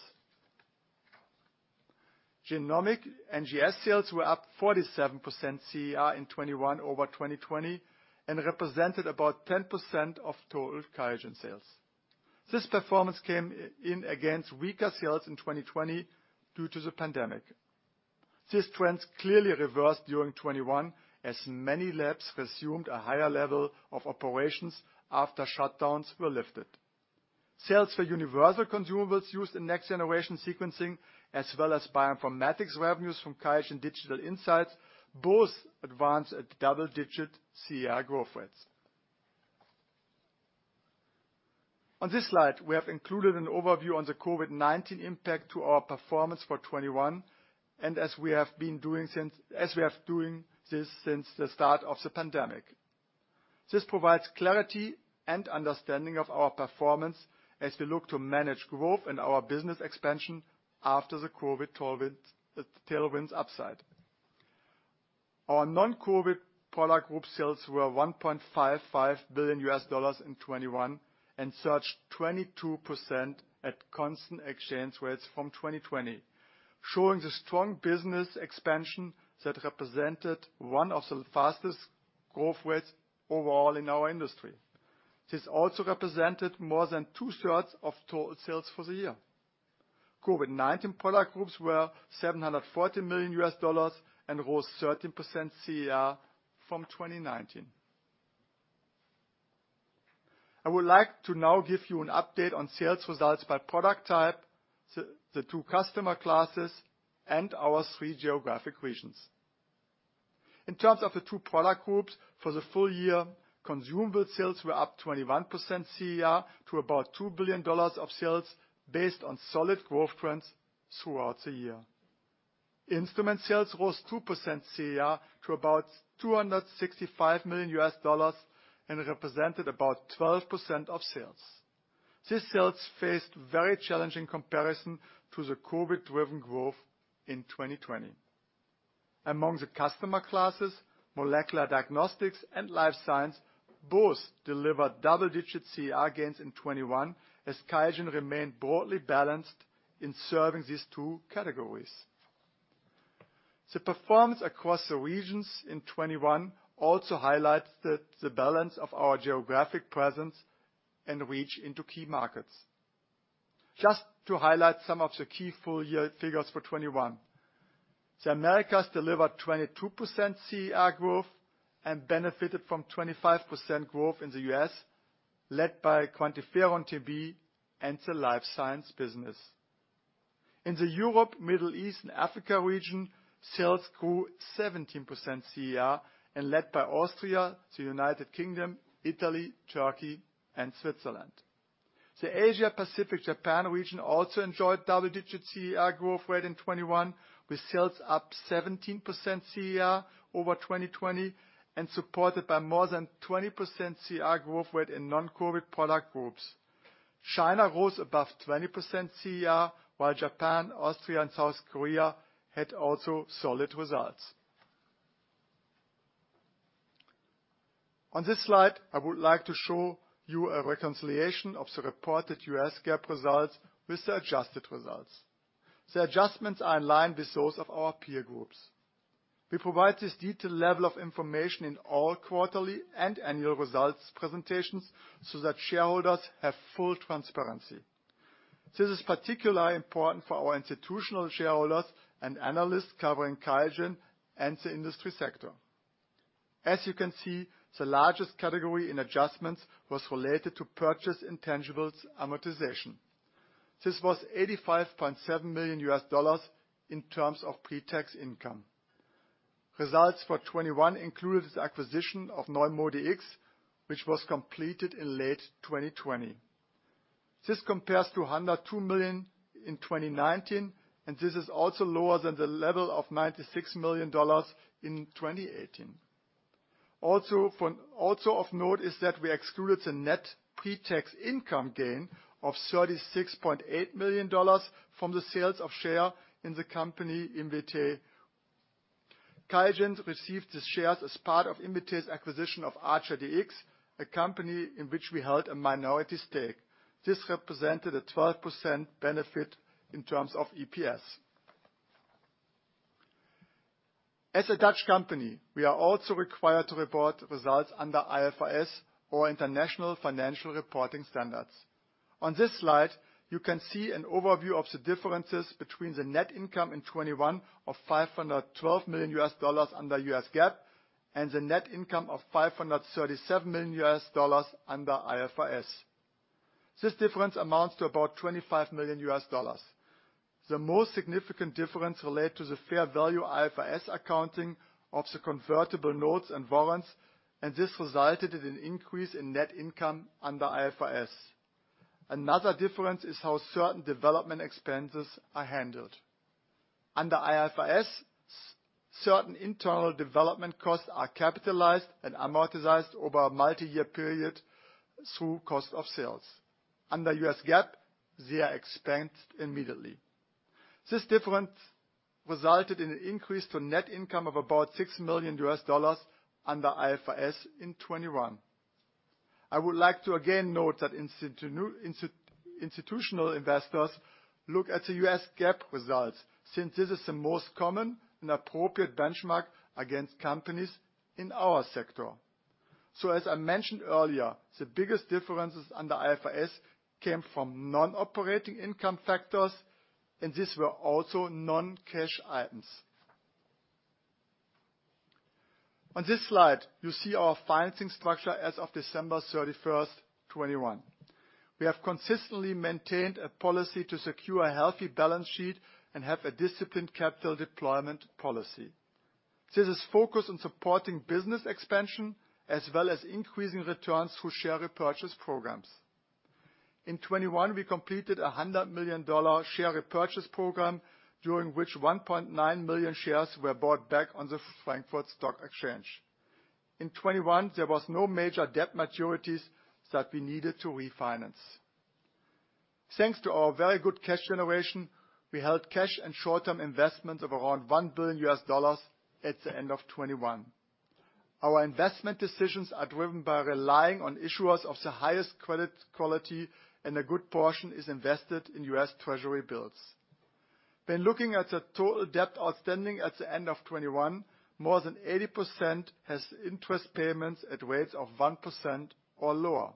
C: Genomic NGS sales were up 47% CER in 2021 over 2020 and represented about 10% of total QIAGEN sales. This performance came in against weaker sales in 2020 due to the pandemic. These trends clearly reversed during 2021 as many labs resumed a higher level of operations after shutdowns were lifted. Sales for universal consumables used in next-generation sequencing, as well as bioinformatics revenues from QIAGEN Digital Insights, both advanced at double-digit CER growth rates. On this slide, we have included an overview on the COVID-19 impact to our performance for 2021 and as we have been doing this since the start of the pandemic. This provides clarity and understanding of our performance as we look to manage growth in our business expansion after the COVID tailwinds upside. Our non-COVID product group sales were $1.55 billion in 2021 and surged 22% at constant exchange rates from 2020, showing the strong business expansion that represented one of the fastest growth rates overall in our industry. This also represented more than two-thirds of total sales for the year. COVID-19 product groups were $740 million and rose 13% CER from 2019. I would like to now give you an update on sales results by product type, the two customer classes, and our three geographic regions. In terms of the two product groups for the full year, consumable sales were up 21% CER to about $2 billion of sales based on solid growth trends throughout the year. Instrument sales rose 2% CER to about $265 million and represented about 12% of sales. These sales faced very challenging comparison to the COVID-driven growth in 2020. Among the customer classes, molecular diagnostics and life science both delivered double-digit CER gains in 2021 as QIAGEN remained broadly balanced in serving these two categories. The performance across the regions in 2021 also highlighted the balance of our geographic presence and reach into key markets. Just to highlight some of the key full year figures for 2021, the Americas delivered 22% CER growth and benefited from 25% growth in the U.S., led by QuantiFERON TB and the life science business. In the Europe, Middle East, and Africa region, sales grew 17% CER and led by Austria, the United Kingdom, Italy, Turkey, and Switzerland. The Asia-Pacific Japan region also enjoyed double-digit CER growth rate in 2021, with sales up 17% CER over 2020 and supported by more than 20% CER growth rate in non-COVID product groups. China rose above 20% CER, while Japan, Austria, and South Korea had also solid results. On this slide, I would like to show you a reconciliation of the reported U.S GAAP results with the adjusted results. The adjustments are in line with those of our peer groups. We provide this detailed level of information in all quarterly and annual results presentations so that shareholders have full transparency. This is particularly important for our institutional shareholders and analysts covering QIAGEN and the industry sector. As you can see, the largest category in adjustments was related to purchase intangibles amortization. This was $85.7 million in terms of pre-tax income. Results for 2021 included the acquisition of NeuMoDx, which was completed in late 2020. This compares to $102 million in 2019, and this is also lower than the level of $96 million in 2018. Also of note is that we excluded the net pre-tax income gain of $36.8 million from the sales of share in the company Invitae. QIAGEN received the shares as part of Invitae's acquisition of ArcherDX, a company in which we held a minority stake. This represented a 12% benefit in terms of EPS. As a Dutch company, we are also required to report results under IFRS or International Financial Reporting Standards. On this slide, you can see an overview of the differences between the net income in 2021 of $512 million under U.S. GAAP and the net income of $537 million under IFRS. This difference amounts to about $25 million. The most significant difference relates to the fair value IFRS accounting of the convertible notes and warrants, and this resulted in an increase in net income under IFRS. Another difference is how certain development expenses are handled. Under IFRS, certain internal development costs are capitalized and amortized over a multi-year period through cost of sales. Under U.S. GAAP, they are expensed immediately. This difference resulted in an increase to net income of about $6 million under IFRS in 2021. I would like to again note that institutional investors look at the U.S. GAAP results since this is the most common and appropriate benchmark against companies in our sector. So, as I mentioned earlier, the biggest differences under IFRS came from non-operating income factors, and these were also non-cash items. On this slide, you see our financing structure as of December 31, 2021. We have consistently maintained a policy to secure a healthy balance sheet and have a disciplined capital deployment policy. This is focused on supporting business expansion as well as increasing returns through share repurchase programs. In 2021, we completed a $100 million share repurchase program, during which 1.9 million shares were bought back on the Frankfurt Stock Exchange. In 2021, there were no major debt maturities that we needed to refinance. Thanks to our very good cash generation, we held cash and short-term investments of around $1 billion at the end of 2021. Our investment decisions are driven by relying on issuers of the highest credit quality, and a good portion is invested in US Treasury bills. When looking at the total debt outstanding at the end of 2021, more than 80% has interest payments at rates of 1% or lower.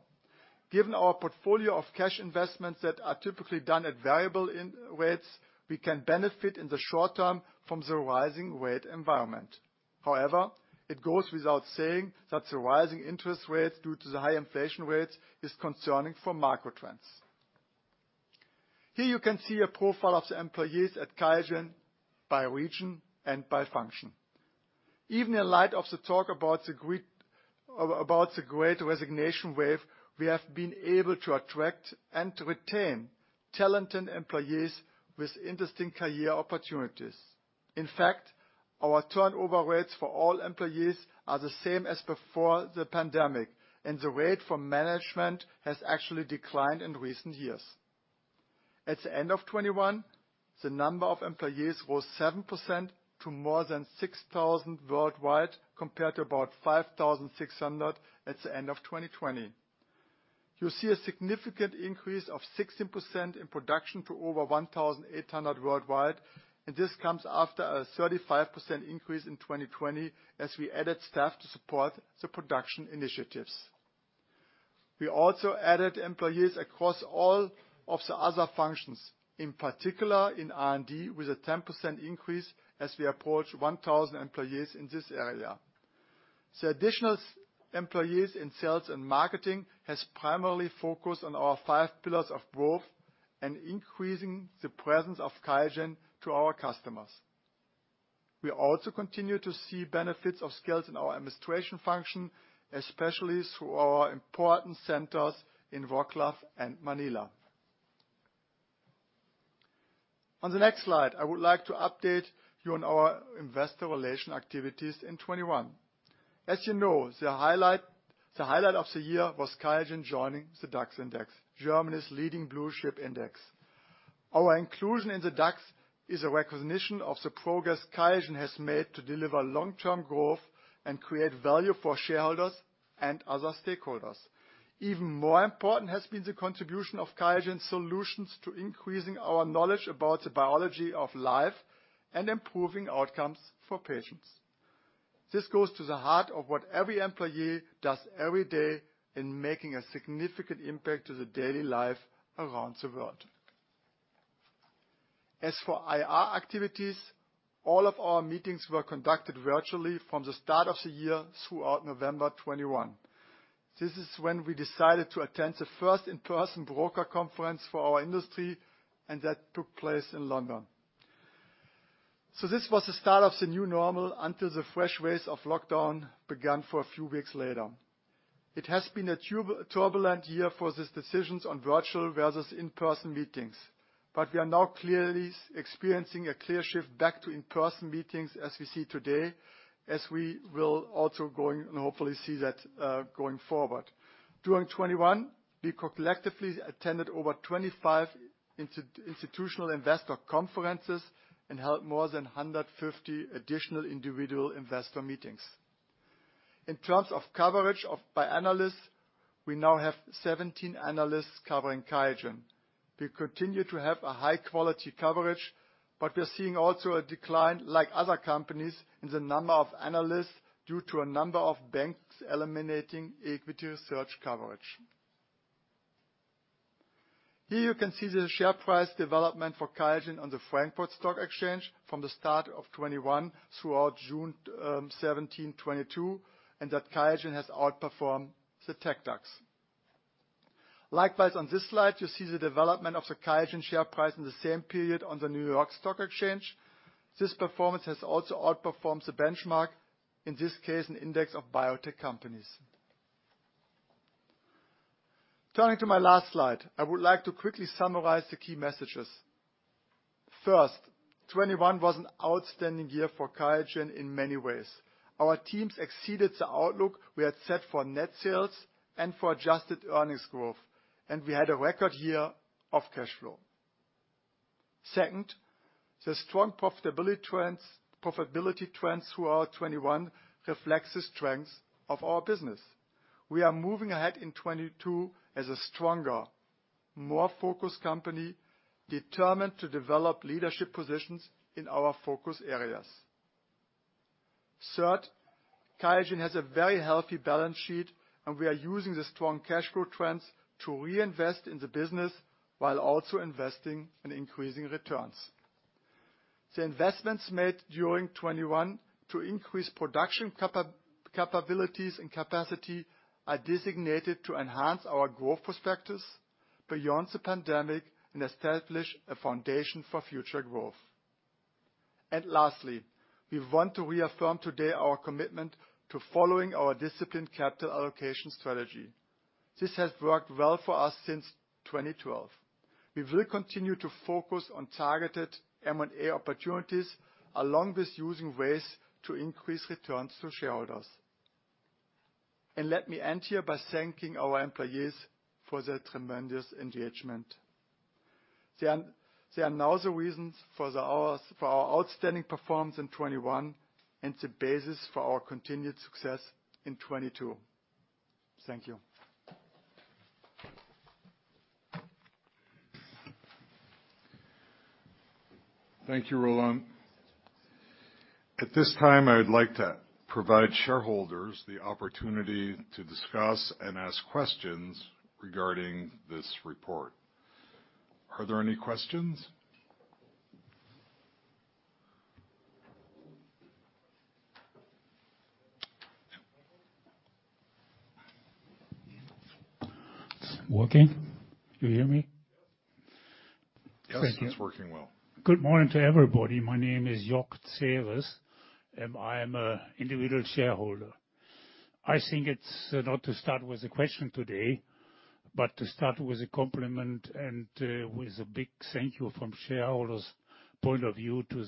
C: Given our portfolio of cash investments that are typically done at variable rates, we can benefit in the short term from the rising rate environment. However, it goes without saying that the rising interest rates due to the high inflation rates is concerning for macro trends. Here you can see a profile of the employees at Qiagen by region and by function. Even in light of the talk about the great resignation wave, we have been able to attract and retain talented employees with interesting career opportunities. In fact, our turnover rates for all employees are the same as before the pandemic, and the rate for management has actually declined in recent years. At the end of 2021, the number of employees rose 7% to more than 6,000 worldwide compared to about 5,600 at the end of 2020. You see a significant increase of 16% in production to over 1,800 worldwide, and this comes after a 35% increase in 2020 as we added staff to support the production initiatives. We also added employees across all of the other functions, in particular in R&D, with a 10% increase as we approached 1,000 employees in this area. The additional employees in sales and marketing have primarily focused on our five pillars of growth and increasing the presence of QIAGEN to our customers. We also continue to see benefits of skills in our administration function, especially through our important centers in Wrocław and Manila. On the next slide, I would like to update you on our investor relation activities in 2021. As you know, the highlight of the year was QIAGEN joining the DAX Index, Germany's leading blue-chip index. Our inclusion in the DAX is a recognition of the progress QIAGEN has made to deliver long-term growth and create value for shareholders and other stakeholders. Even more important has been the contribution of QIAGEN's solutions to increasing our knowledge about the biology of life and improving outcomes for patients. This goes to the heart of what every employee does every day in making a significant impact to the daily life around the world. As for IR activities, all of our meetings were conducted virtually from the start of the year throughout November 2021. This is when we decided to attend the first in-person broker conference for our industry, and that took place in London. So this was the start of the new normal until the fresh waves of lockdown began for a few weeks later. It has been a turbulent year for these decisions on virtual versus in-person meetings, but we are now clearly experiencing a clear shift back to in-person meetings as we see today, as we will also going and hopefully see that going forward. During 2021, we collectively attended over 25 institutional investor conferences and held more than 150 additional individual investor meetings. In terms of coverage by analysts, we now have 17 analysts covering QIAGEN. We continue to have a high-quality coverage, but we are seeing also a decline, like other companies, in the number of analysts due to a number of banks eliminating equity research coverage. Here you can see the share price development for QIAGEN on the Frankfurt Stock Exchange from the start of 2021 throughout June 17, 2022, and that QIAGEN has outperformed the TecDAX. Likewise, on this slide, you see the development of the QIAGEN share price in the same period on the New York Stock Exchange. This performance has also outperformed the benchmark, in this case, an index of biotech companies. Turning to my last slide, I would like to quickly summarize the key messages. First, 2021 was an outstanding year for QIAGEN in many ways. Our teams exceeded the outlook we had set for net sales and for adjusted earnings growth, and we had a record year of cash flow. Second, the strong profitability trends throughout 2021 reflect the strengths of our business. We are moving ahead in 2022 as a stronger, more focused company determined to develop leadership positions in our focus areas. Third, QIAGEN has a very healthy balance sheet, and we are using the strong cash flow trends to reinvest in the business while also investing in increasing returns. The investments made during 2021 to increase production capabilities and capacity are designated to enhance our growth prospects beyond the pandemic and establish a foundation for future growth. And lastly, we want to reaffirm today our commitment to following our disciplined capital allocation strategy. This has worked well for us since 2012. We will continue to focus on targeted M&A opportunities along with using ways to increase returns to shareholders, and let me end here by thanking our employees for their tremendous engagement. They are now the reason for our outstanding performance in 2021 and the basis for our continued success in 2022. Thank you.
A: Thank you, Roland. At this time, I would like to provide shareholders the opportunity to discuss and ask questions regarding this report. Are there any questions? Working, do you hear me?
B: Yes. Yes, it's working well.
D: Good morning to everybody. My name is Jörg Sievers, and I am an individual shareholder. I think it's nice to start with a question today, but to start with a compliment and with a big thank you from shareholders' point of view to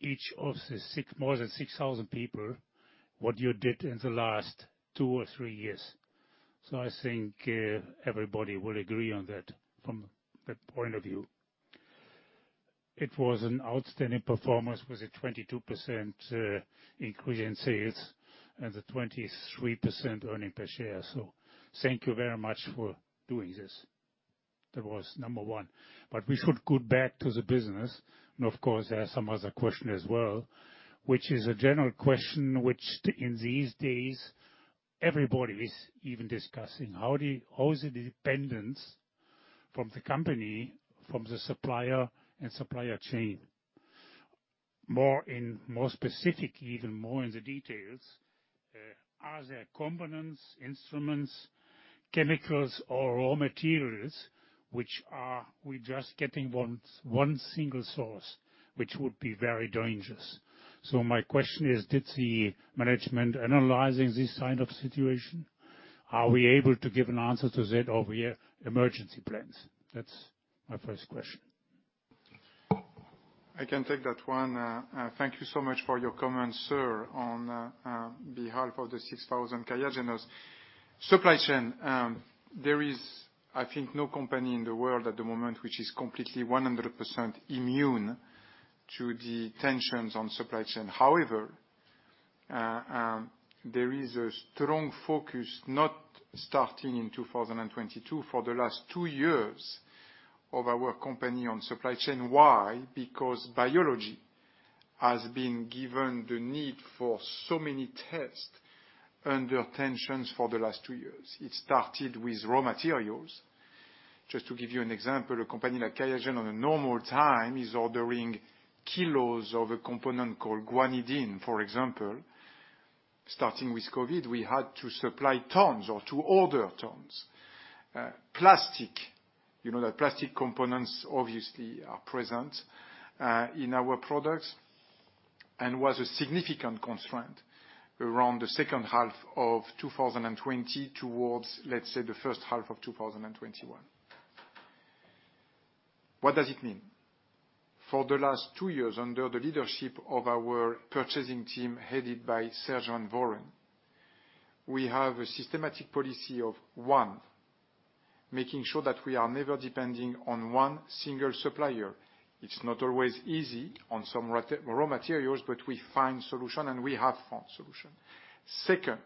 D: each of the more than 6,000 people, what you did in the last two or three years. So I think everybody will agree on that from that point of view. It was an outstanding performance with a 22% increase in sales and a 23% earnings per share. So thank you very much for doing this. That was number one. But we should go back to the business, and of course, there are some other questions as well, which is a general question which in these days, everybody is even discussing. How is the dependence from the company, from the supplier and supply chain? More specifically, even more in the details, are there components, instruments, chemicals, or raw materials which we are just getting from one single source, which would be very dangerous? So my question is, did the management analyze this kind of situation? Are we able to give an answer to that over here? Emergency plans? That's my first question.
B: I can take that one. Thank you so much for your comments, sir, on behalf of the 6,000 QIAGENers. Supply chain, there is, I think, no company in the world at the moment which is completely 100% immune to the tensions on supply chain. However, there is a strong focus, not starting in 2022, for the last two years of our company on supply chain. Why? Because biology has been given the need for so many tests under tensions for the last two years. It started with raw materials. Just to give you an example, a company like QIAGEN on a normal time is ordering kilos of a component called guanidine, for example. Starting with COVID, we had to supply tons or to order tons. Plastics, you know that plastic components obviously are present in our products and was a significant constraint around the second half of 2020 towards, let's say, the first half of 2021. What does it mean? For the last two years, under the leadership of our purchasing team headed by Serge Van Vooren, we have a systematic policy of one, making sure that we are never depending on one single supplier. It's not always easy on some raw materials, but we find solutions, and we have found solutions. Second,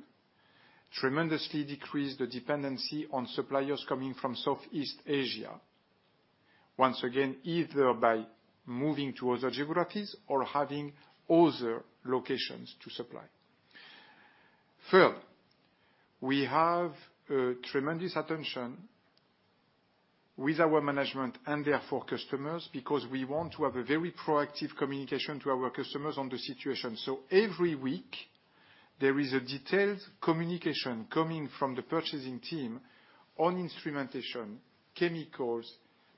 B: tremendously decreased the dependency on suppliers coming from Southeast Asia, once again, either by moving to other geographies or having other locations to supply. Third, we have tremendous attention with our management and therefore customers because we want to have a very proactive communication to our customers on the situation. Every week, there is a detailed communication coming from the purchasing team on instrumentation, chemicals,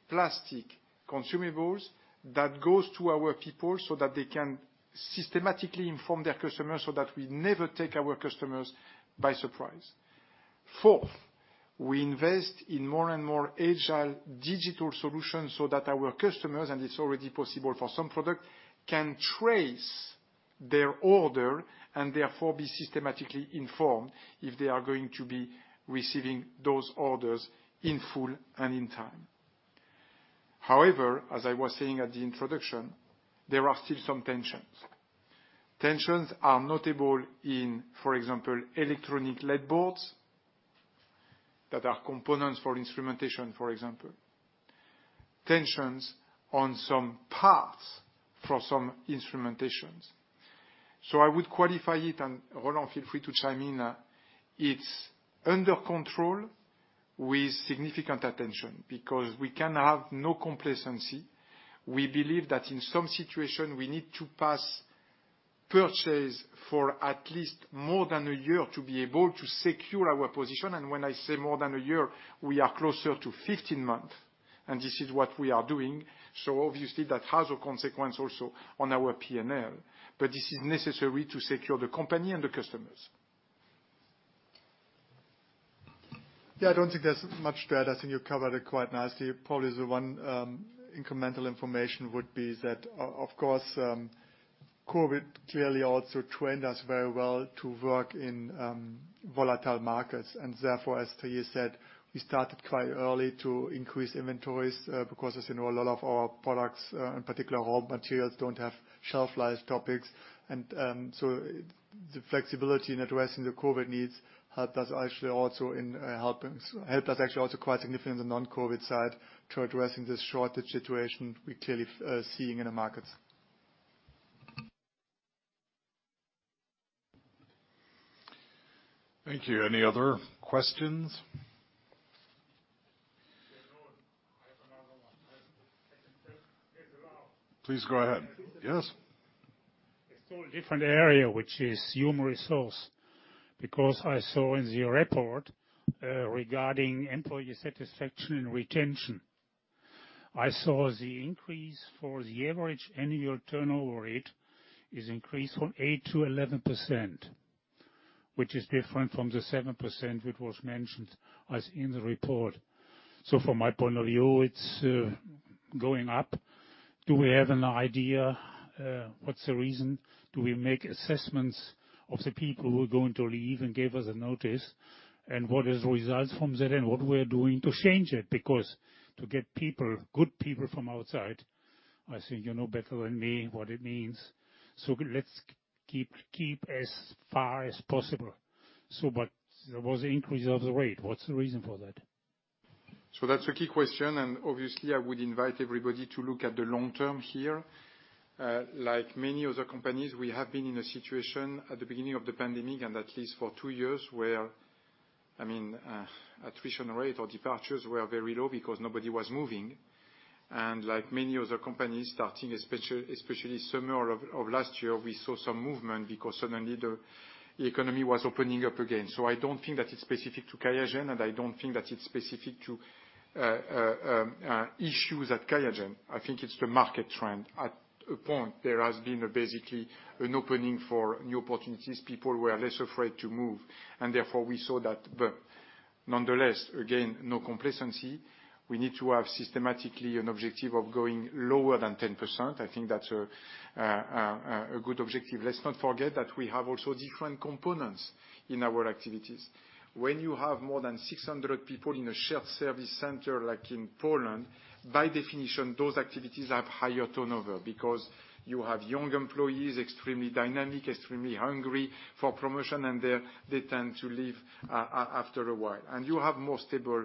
B: plastic, consumables that goes to our people so that they can systematically inform their customers so that we never take our customers by surprise. Fourth, we invest in more and more agile digital solutions so that our customers, and it's already possible for some products, can trace their order and therefore be systematically informed if they are going to be receiving those orders in full and in time. However, as I was saying at the introduction, there are still some tensions. Tensions are notable in, for example, electronic lead boards that are components for instrumentation, for example. Tensions on some parts for some instrumentations. So I would qualify it, and Roland, feel free to chime in. It's under control with significant attention because we can have no complacency. We believe that in some situations, we need to pre-purchase for at least more than a year to be able to secure our position. And when I say more than a year, we are closer to 15 months, and this is what we are doing. So obviously, that has a consequence also on our P&L, but this is necessary to secure the company and the customers.
C: Yeah, I don't think there's much to add. I think you covered it quite nicely. Probably the one incremental information would be that, of course, COVID clearly also trained us very well to work in volatile markets. And therefore, as Thierry said, we started quite early to increase inventories because, as you know, a lot of our products, in particular raw materials, don't have shelf life topics. And so the flexibility in addressing the COVID needs helped us actually also quite significantly on the non-COVID side to addressing this shortage situation we're clearly seeing in the markets.
A: Thank you. Any other questions? Please go ahead. Yes.
E: It's a totally different area, which is human resources, because I saw in the report regarding employee satisfaction and retention, I saw the increase for the average annual turnover rate is increased from 8% to 11%, which is different from the 7% which was mentioned in the report. So from my point of view, it's going up. Do we have an idea what's the reason? Do we make assessments of the people who are going to leave and give us a notice? And what are the results from that and what we are doing to change it? Because to get people, good people from outside, I think you know better than me what it means. So let's keep as far as possible. But there was an increase of the rate. What's the reason for that?
B: So that's a key question, and obviously, I would invite everybody to look at the long term here. Like many other companies, we have been in a situation at the beginning of the pandemic, and at least for two years, where, I mean, attrition rate or departures were very low because nobody was moving, and like many other companies, starting especially summer of last year, we saw some movement because suddenly the economy was opening up again. So I don't think that it's specific to QIAGEN, and I don't think that it's specific to issues at QIAGEN. I think it's the market trend. At a point, there has been basically an opening for new opportunities. People were less afraid to move, and therefore we saw that, but nonetheless, again, no complacency. We need to have systematically an objective of going lower than 10%. I think that's a good objective. Let's not forget that we have also different components in our activities. When you have more than 600 people in a shared service center like in Poland, by definition, those activities have higher turnover because you have young employees, extremely dynamic, extremely hungry for promotion, and they tend to leave after a while. And you have a more stable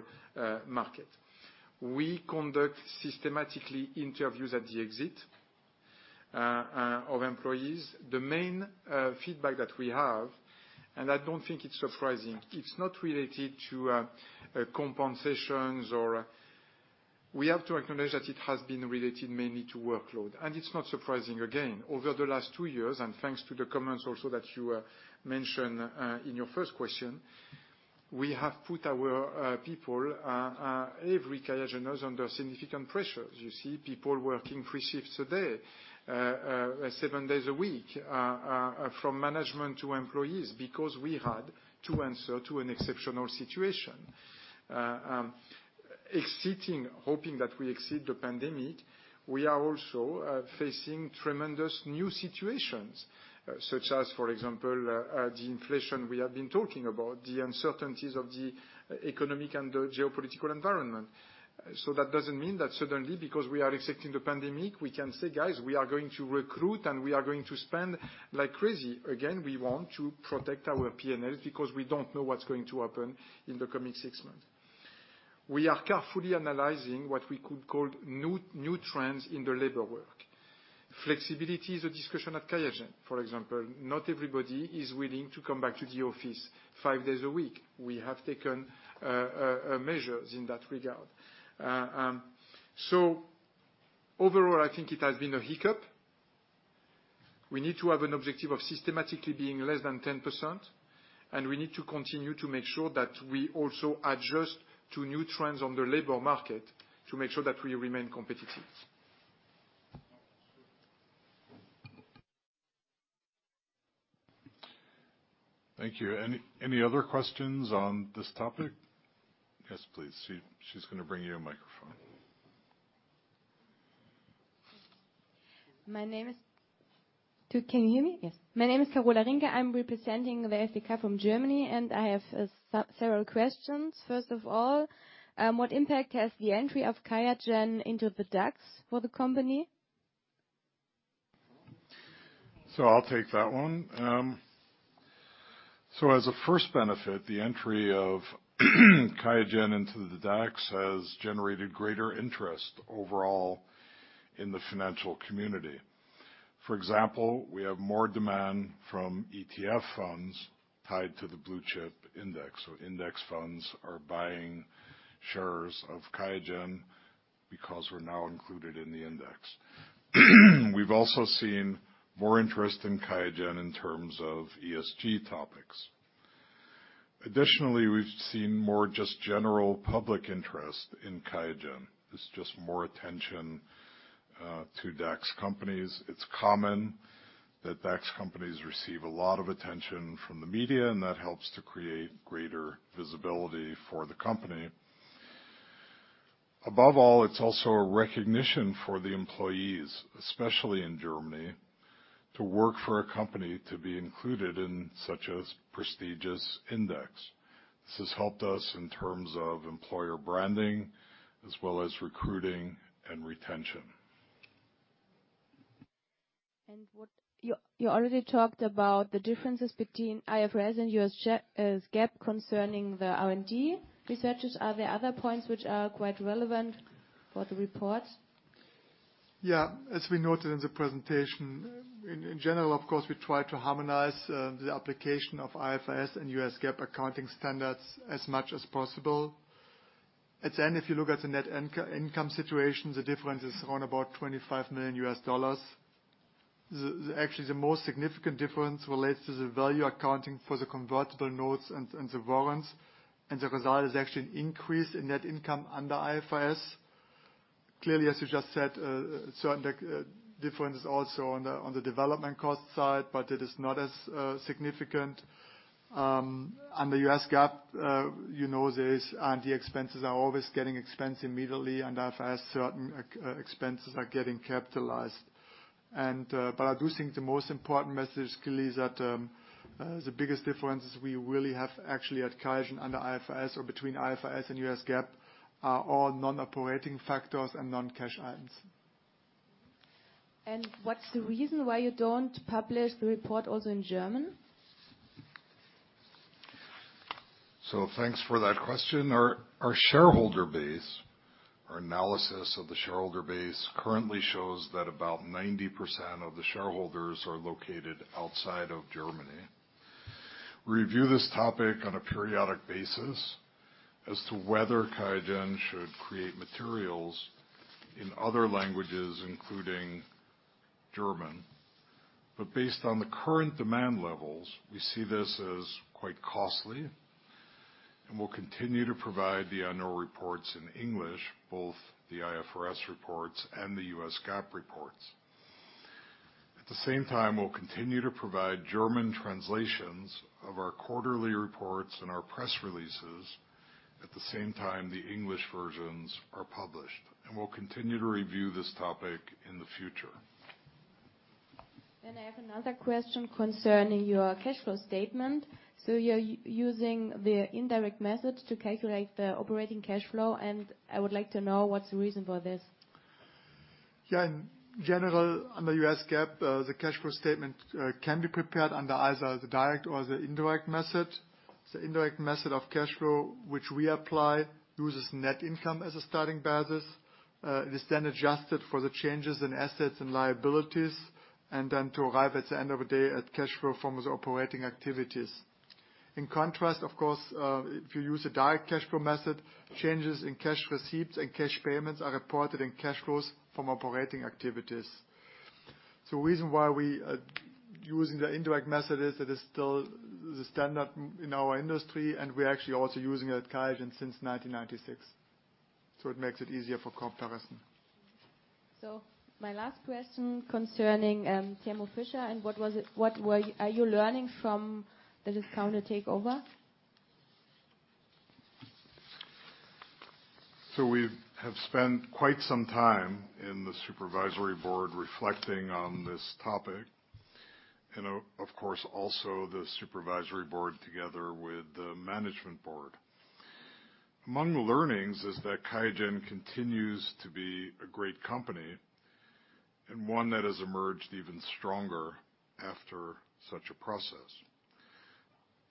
B: market. We conduct systematically interviews at the exit of employees. The main feedback that we have, and I don't think it's surprising, it's not related to compensations or we have to acknowledge that it has been related mainly to workload. It's not surprising, again, over the last two years, and thanks to the comments also that you mentioned in your first question, we have put our people, every QIAGENers, under significant pressures. You see people working three shifts a day, seven days a week, from management to employees because we had to answer to an exceptional situation. Exiting, hoping that we exit the pandemic, we are also facing tremendous new situations, such as, for example, the inflation we have been talking about, the uncertainties of the economic and geopolitical environment. So that doesn't mean that suddenly, because we are exiting the pandemic, we can say, "Guys, we are going to recruit and we are going to spend like crazy." Again, we want to protect our P&Ls because we don't know what's going to happen in the coming six months. We are carefully analyzing what we could call new trends in the labor work. Flexibility is a discussion at QIAGEN, for example. Not everybody is willing to come back to the office five days a week. We have taken measures in that regard. So overall, I think it has been a hiccup. We need to have an objective of systematically being less than 10%, and we need to continue to make sure that we also adjust to new trends on the labor market to make sure that we remain competitive. Thank you. Any other questions on this topic? Yes, please. She's going to bring you a microphone.
F: My name is—can you hear me? Yes. My name is Carola Rinker. I'm representing Verifica from Germany, and I have several questions. First of all, what impact has the entry of QIAGEN into the DAX for the company?
A: So I'll take that one. So as a first benefit, the entry of QIAGEN into the DAX has generated greater interest overall in the financial community. For example, we have more demand from ETF funds tied to the blue chip index. So index funds are buying shares of QIAGEN because we're now included in the index. We've also seen more interest in QIAGEN in terms of ESG topics. Additionally, we've seen more just general public interest in QIAGEN. It's just more attention to DAX companies. It's common that DAX companies receive a lot of attention from the media, and that helps to create greater visibility for the company. Above all, it's also a recognition for the employees, especially in Germany, to work for a company to be included in such a prestigious index. This has helped us in terms of employer branding as well as recruiting and retention.
F: You already talked about the differences between IFRS and U.S. GAAP concerning the R&D researchers. Are there other points which are quite relevant for the report?
C: Yeah. As we noted in the presentation, in general, of course, we try to harmonize the application of IFRS and U.S. GAAP accounting standards as much as possible. At the end, if you look at the net income situation, the difference is around about $25 million. Actually, the most significant difference relates to the value accounting for the convertible notes and the warrants, and the result is actually an increase in net income under IFRS. Clearly, as you just said, a certain difference is also on the development cost side, but it is not as significant. Under U.S. GAAP, you know the expenses are always getting expensed immediately, and IFRS certain expenses are getting capitalized. I do think the most important message clearly is that the biggest differences we really have actually at QIAGEN under IFRS or between IFRS and U.S. GAAP are all non-operating factors and non-cash items.
F: What's the reason why you don't publish the report also in German?
A: Thanks for that question. Our shareholder base, our analysis of the shareholder base currently shows that about 90% of the shareholders are located outside of Germany. We review this topic on a periodic basis as to whether QIAGEN should create materials in other languages, including German. Based on the current demand levels, we see this as quite costly, and we'll continue to provide the annual reports in English, both the IFRS reports and the U.S. GAAP reports. At the same time, we'll continue to provide German translations of our quarterly reports and our press releases.
C: At the same time, the English versions are published, and we'll continue to review this topic in the future, and I have another question concerning your cash flow statement. You're using the indirect method to calculate the operating cash flow, and I would like to know what's the reason for this, so you're using the indirect method to calculate the operating cash flow, and I would like to know what's the reason for this. Yeah. In general, under U.S. GAAP, the cash flow statement can be prepared under either the direct or the indirect method. The indirect method of cash flow, which we apply, uses net income as a starting basis. It is then adjusted for the changes in assets and liabilities and then to arrive at the end of the day at cash flow from the operating activities. In contrast, of course, if you use a direct cash flow method, changes in cash receipts and cash payments are reported in cash flows from operating activities. The reason why we are using the indirect method is that it's still the standard in our industry, and we're actually also using it at QIAGEN since 1996. It makes it easier for comparison.
F: My last question concerning Thierry Bernard and what are you learning from the discounted takeover?
A: We have spent quite some time in the supervisory board reflecting on this topic, and of course, also the supervisory board together with the management board. Among the learnings is that QIAGEN continues to be a great company and one that has emerged even stronger after such a process.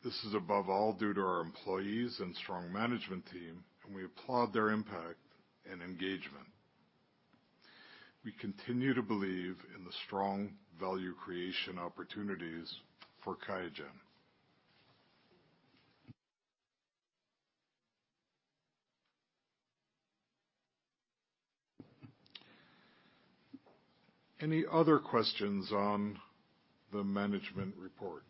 A: This is above all due to our employees and strong management team, and we applaud their impact and engagement. We continue to believe in the strong value creation opportunities for QIAGEN. Any other questions on the management report?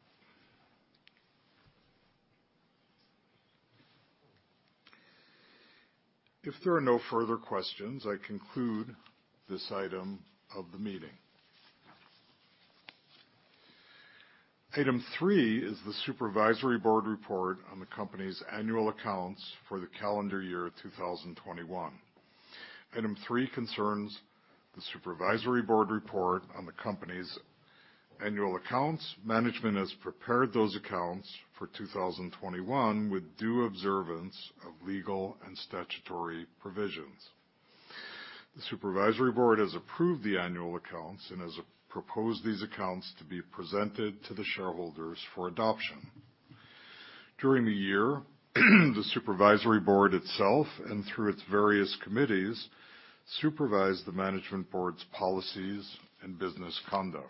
A: If there are no further questions, I conclude this item of the meeting. Item three is the supervisory board report on the company's annual accounts for the calendar year 2021. Item three concerns the supervisory board report on the company's annual accounts. Management has prepared those accounts for 2021 with due observance of legal and statutory provisions. The supervisory board has approved the annual accounts and has proposed these accounts to be presented to the shareholders for adoption. During the year, the supervisory board itself and through its various committees supervised the management board's policies and business conduct.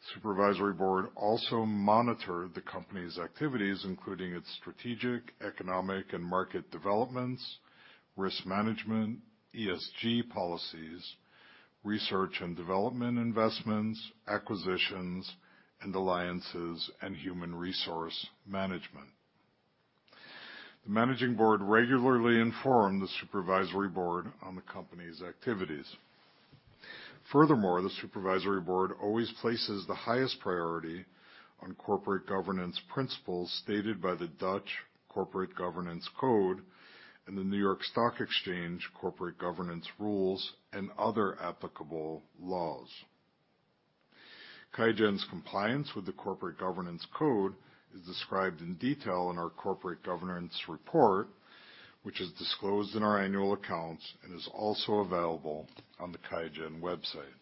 A: The supervisory board also monitored the company's activities, including its strategic, economic, and market developments, risk management, ESG policies, research and development investments, acquisitions, and alliances, and human resource management. The managing board regularly informed the supervisory board on the company's activities. Furthermore, the Supervisory Board always places the highest priority on corporate governance principles stated by the Dutch Corporate Governance Code and the New York Stock Exchange Corporate Governance Rules and other applicable laws. QIAGEN's compliance with the Corporate Governance Code is described in detail in our Corporate Governance Report, which is disclosed in our annual accounts and is also available on the QIAGEN website.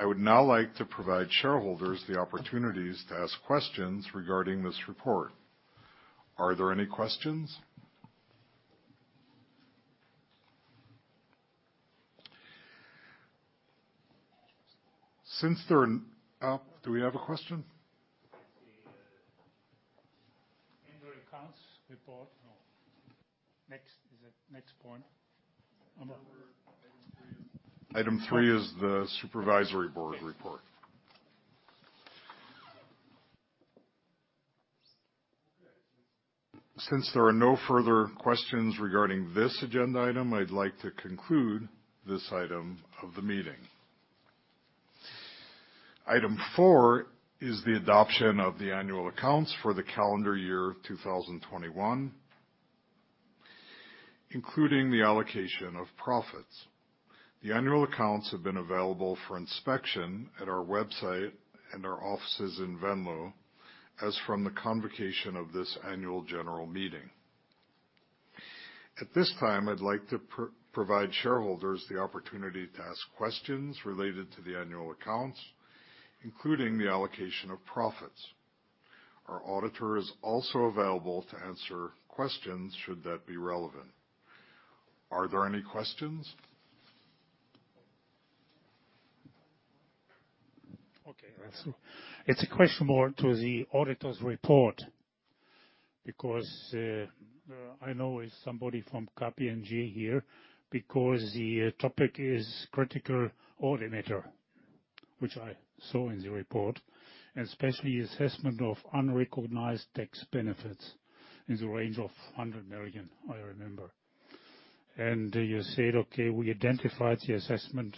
A: I would now like to provide shareholders the opportunities to ask questions regarding this report. Are there any questions? Since they're up, do we have a question?
B: The annual accounts report? No. Next, is it next point?
A: Item three. Item three is the supervisory board report. Since there are no further questions regarding this agenda item, I'd like to conclude this item of the meeting. Item four is the adoption of the annual accounts for the calendar year 2021, including the allocation of profits. The annual accounts have been available for inspection at our website and our offices in Venlo as from the convocation of this annual general meeting. At this time, I'd like to provide shareholders the opportunity to ask questions related to the annual accounts, including the allocation of profits. Our auditor is also available to answer questions should that be relevant. Are there any questions?
G: Okay. It's a question more to the auditor's report because I know it's somebody from KPMG here because the topic is Critical Audit Matters, which I saw in the report, and especially assessment of unrecognized tax benefits in the range of $100 million, I remember. And you said, "Okay, we identified the assessment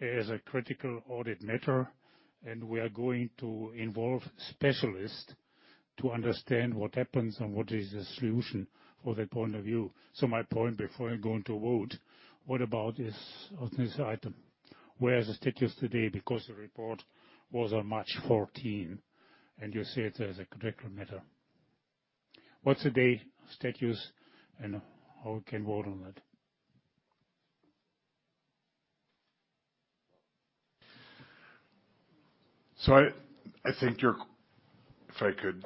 G: as a critical audit matter, and we are going to involve specialists to understand what happens and what is the solution for that point of view." So my point before I go into vote, what about this item? Where is the status today because the report was on March 14, and you said there's a critical matter? What's today's status and how we can vote on that?
A: So I think if I could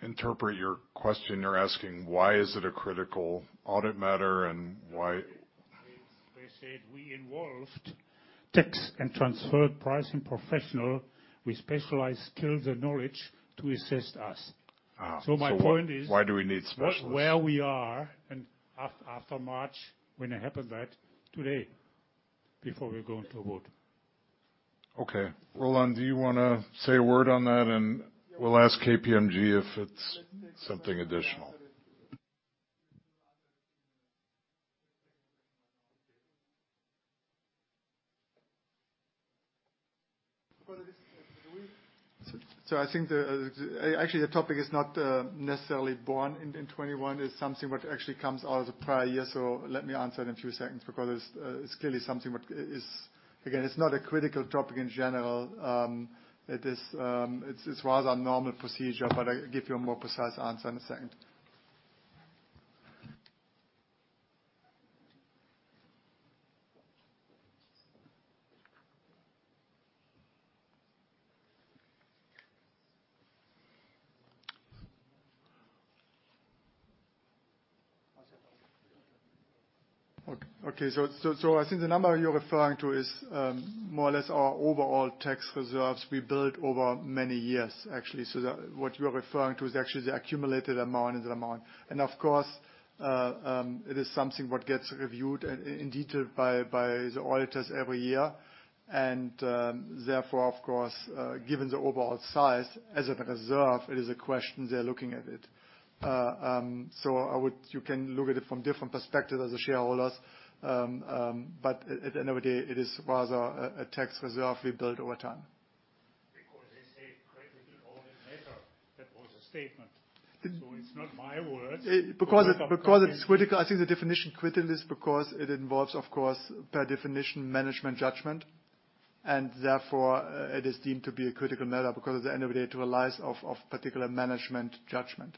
A: interpret your question, you're asking why is it a critical audit matter and why?
G: They said we involved tax and transfer pricing professional with specialized skills and knowledge to assist us. So my point is,
A: why do we need specialists?
G: Where we are after March, when it happened that today, before we go into vote.
A: Okay. Roland, do you want to say a word on that, and we'll ask KPMG if it's something additional?
C: So I think actually the topic is not necessarily born in 2021. It's something that actually comes out of the prior year. So let me answer in a few seconds because it's clearly something that is, again, it's not a critical topic in general. It's rather a normal procedure, but I'll give you a more precise answer in a second. Okay. So I think the number you're referring to is more or less our overall tax reserves we built over many years, actually. So what you're referring to is actually the accumulated amount and the amount. And of course, it is something that gets reviewed in detail by the auditors every year. And therefore, of course, given the overall size as a reserve, it is a question they're looking at it. So you can look at it from different perspectives as the shareholders. But at the end of the day, it is rather a tax reserve we built over time.
G: Because they say critical audit matter. That was a statement. So it's not my words.
C: Because it's critical, I think the definition critical is because it involves, of course, per definition, management judgment. And therefore, it is deemed to be a critical matter because at the end of the day, it relies on particular management judgment.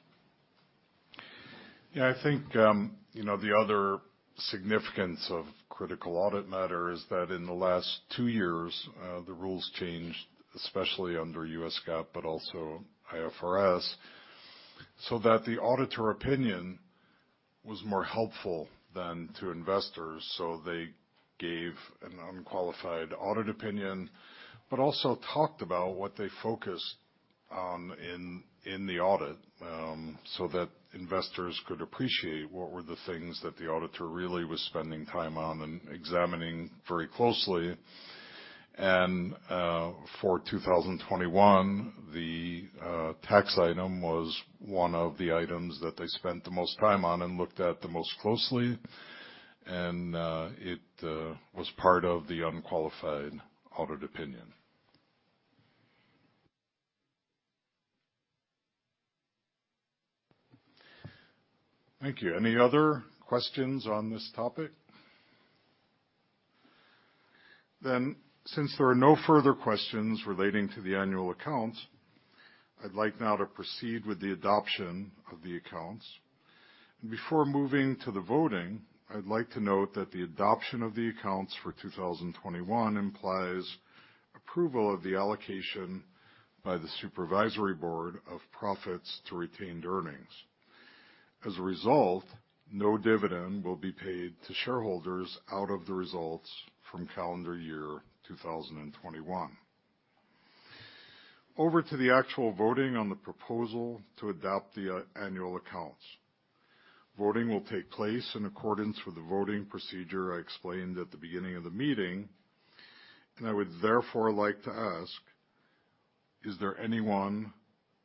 A: Yeah. I think the other significance of critical audit matter is that in the last two years, the rules changed, especially under U.S. GAAP, but also IFRS, so that the auditor opinion was more helpful than to investors. They gave an unqualified audit opinion, but also talked about what they focused on in the audit so that investors could appreciate what were the things that the auditor really was spending time on and examining very closely. And for 2021, the tax item was one of the items that they spent the most time on and looked at the most closely. And it was part of the unqualified audit opinion. Thank you. Any other questions on this topic? Then, since there are no further questions relating to the annual accounts, I'd like now to proceed with the adoption of the accounts. And before moving to the voting, I'd like to note that the adoption of the accounts for 2021 implies approval of the allocation by the supervisory board of profits to retained earnings. As a result, no dividend will be paid to shareholders out of the results from calendar year 2021. Over to the actual voting on the proposal to adopt the annual accounts. Voting will take place in accordance with the voting procedure I explained at the beginning of the meeting. And I would therefore like to ask, is there anyone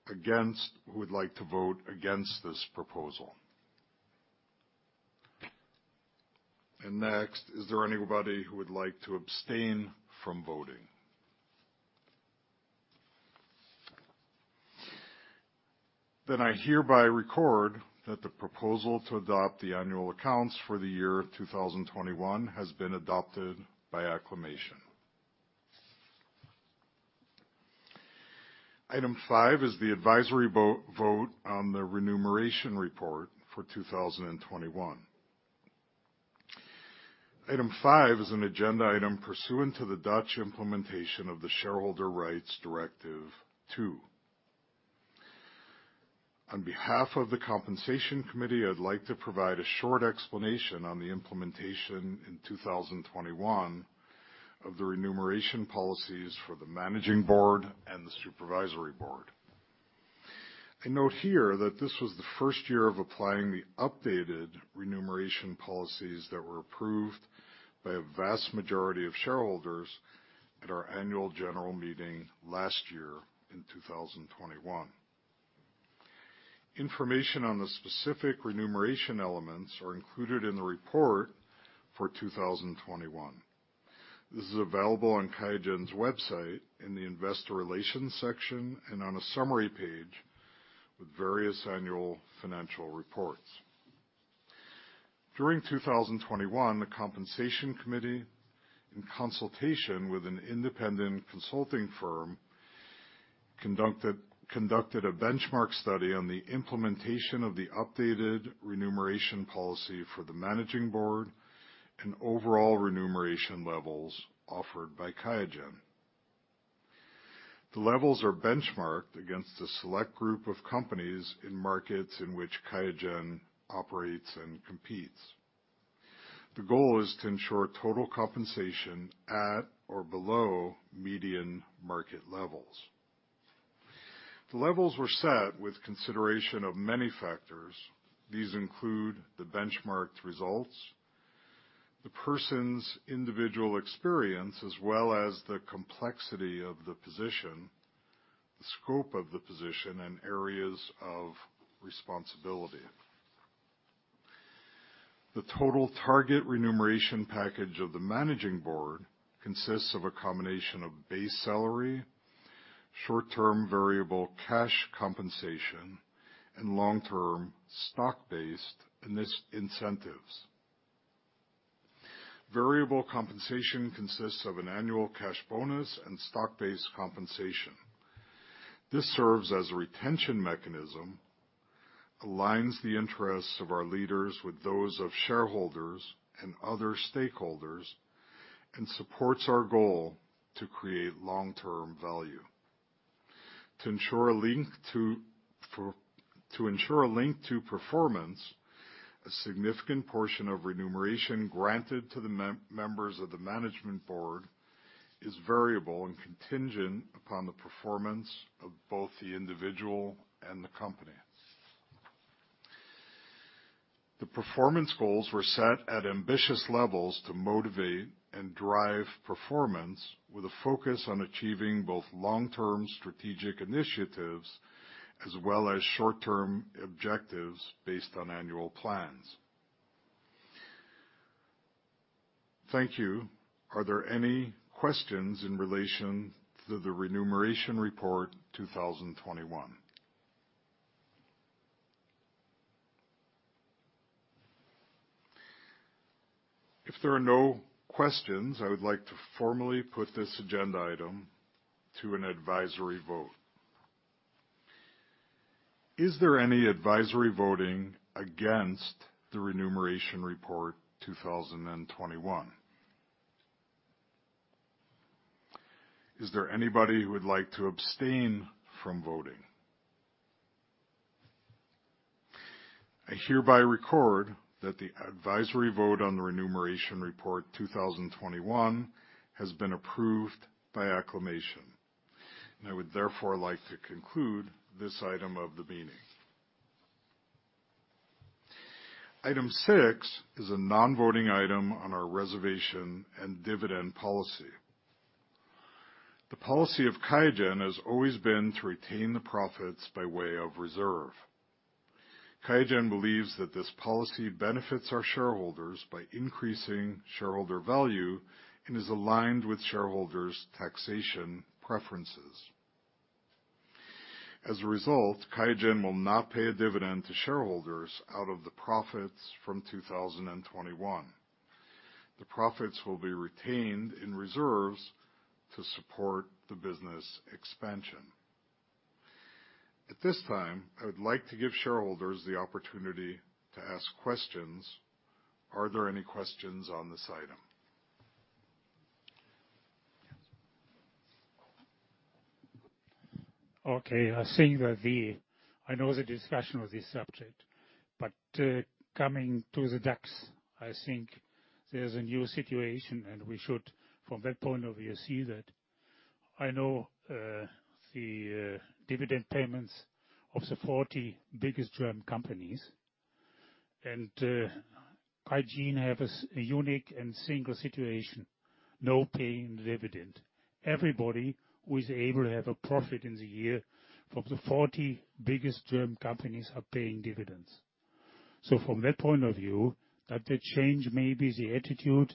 A: who would like to vote against this proposal? And next, is there anybody who would like to abstain from voting? Then I hereby record that the proposal to adopt the annual accounts for the year 2021 has been adopted by acclamation. Item five is the advisory vote on the remuneration report for 2021. Item five is an agenda item pursuant to the Dutch implementation of the Shareholder Rights Directive II. On behalf of the compensation committee, I'd like to provide a short explanation on the implementation in 2021 of the remuneration policies for the managing board and the supervisory board. I note here that this was the first year of applying the updated remuneration policies that were approved by a vast majority of shareholders at our annual general meeting last year in 2021. Information on the specific remuneration elements are included in the report for 2021. This is available on QIAGEN's website in the investor relations section and on a summary page with various annual financial reports. During 2021, the compensation committee, in consultation with an independent consulting firm, conducted a benchmark study on the implementation of the updated remuneration policy for the managing board and overall remuneration levels offered by QIAGEN. The levels are benchmarked against a select group of companies in markets in which QIAGEN operates and competes. The goal is to ensure total compensation at or below median market levels. The levels were set with consideration of many factors. These include the benchmarked results, the person's individual experience, as well as the complexity of the position, the scope of the position, and areas of responsibility. The total target remuneration package of the managing board consists of a combination of base salary, short-term variable cash compensation, and long-term stock-based incentives. Variable compensation consists of an annual cash bonus and stock-based compensation. This serves as a retention mechanism, aligns the interests of our leaders with those of shareholders and other stakeholders, and supports our goal to create long-term value. To ensure a link to performance, a significant portion of remuneration granted to the members of the management board is variable and contingent upon the performance of both the individual and the company. The performance goals were set at ambitious levels to motivate and drive performance with a focus on achieving both long-term strategic initiatives as well as short-term objectives based on annual plans. Thank you. Are there any questions in relation to the remuneration report 2021? If there are no questions, I would like to formally put this agenda item to an advisory vote. Is there any advisory voting against the remuneration report 2021? Is there anybody who would like to abstain from voting? I hereby record that the advisory vote on the remuneration report 2021 has been approved by acclamation. I would therefore like to conclude this item of the meeting. Item six is a non-voting item on our reserves and dividend policy. The policy of QIAGEN has always been to retain the profits by way of reserves. QIAGEN believes that this policy benefits our shareholders by increasing shareholder value and is aligned with shareholders' taxation preferences. As a result, QIAGEN will not pay a dividend to shareholders out of the profits from 2021. The profits will be retained in reserves to support the business expansion. At this time, I would like to give shareholders the opportunity to ask questions. Are there any questions on this item?
C: Okay. I think that I know the discussion of this subject, but coming to the DAX, I think there's a new situation, and we should, from that point of view, see that. I know the dividend payments of the 40 biggest German companies, and QIAGEN have a unique and single situation, no paying dividend. Everybody who is able to have a profit in the year from the 40 biggest German companies are paying dividends. So from that point of view, that the change may be the attitude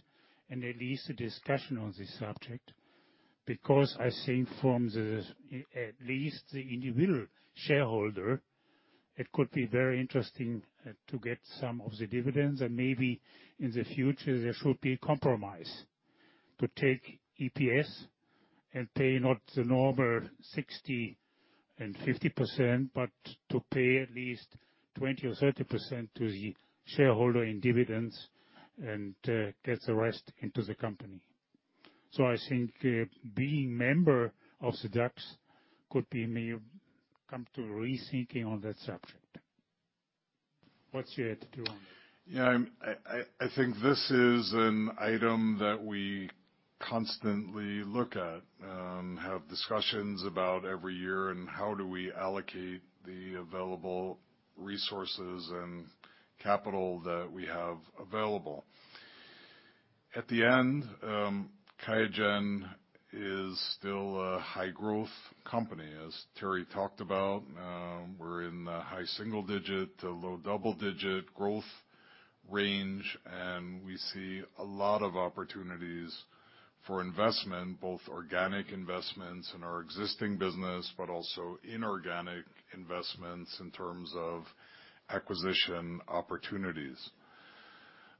C: and at least the discussion on this subject because I think from at least the individual shareholder, it could be very interesting to get some of the dividends. And maybe in the future, there should be a compromise to take EPS and pay not the normal 60% and 50%, but to pay at least 20% or 30% to the shareholder in dividends and get the rest into the company. So I think being a member of the DAX could be a means to rethinking on that subject. What's your attitude on that?
A: Yeah. I think this is an item that we constantly look at, have discussions about every year, and how do we allocate the available resources and capital that we have available. At the end, QIAGEN is still a high-growth company, as Thierry talked about. We're in the high single-digit to low double-digit growth range, and we see a lot of opportunities for investment, both organic investments in our existing business, but also inorganic investments in terms of acquisition opportunities.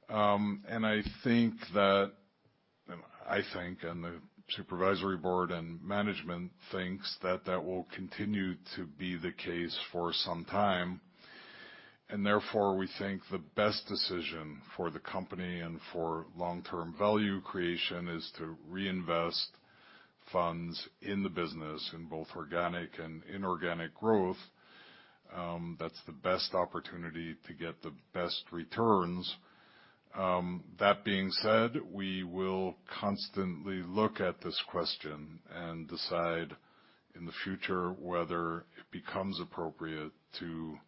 A: And I think that the Supervisory Board and management thinks that that will continue to be the case for some time. And therefore, we think the best decision for the company and for long-term value creation is to reinvest funds in the business in both organic and inorganic growth. That's the best opportunity to get the best returns. That being said, we will constantly look at this question and decide in the future whether it becomes appropriate to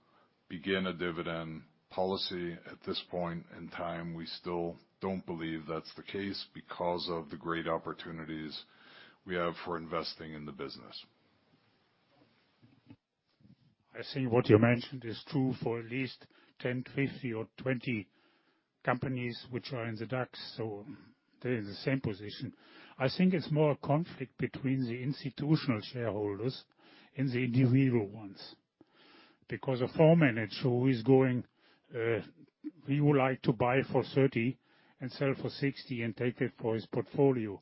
A: begin a dividend policy. At this point in time, we still don't believe that's the case because of the great opportunities we have for investing in the business.
C: I think what you mentioned is true for at least 10, 50, or 20 companies which are in the DAX, so they're in the same position. I think it's more a conflict between the institutional shareholders and the individual ones because a fund manager who is going, "We would like to buy for 30 and sell for 60 and take it for his portfolio."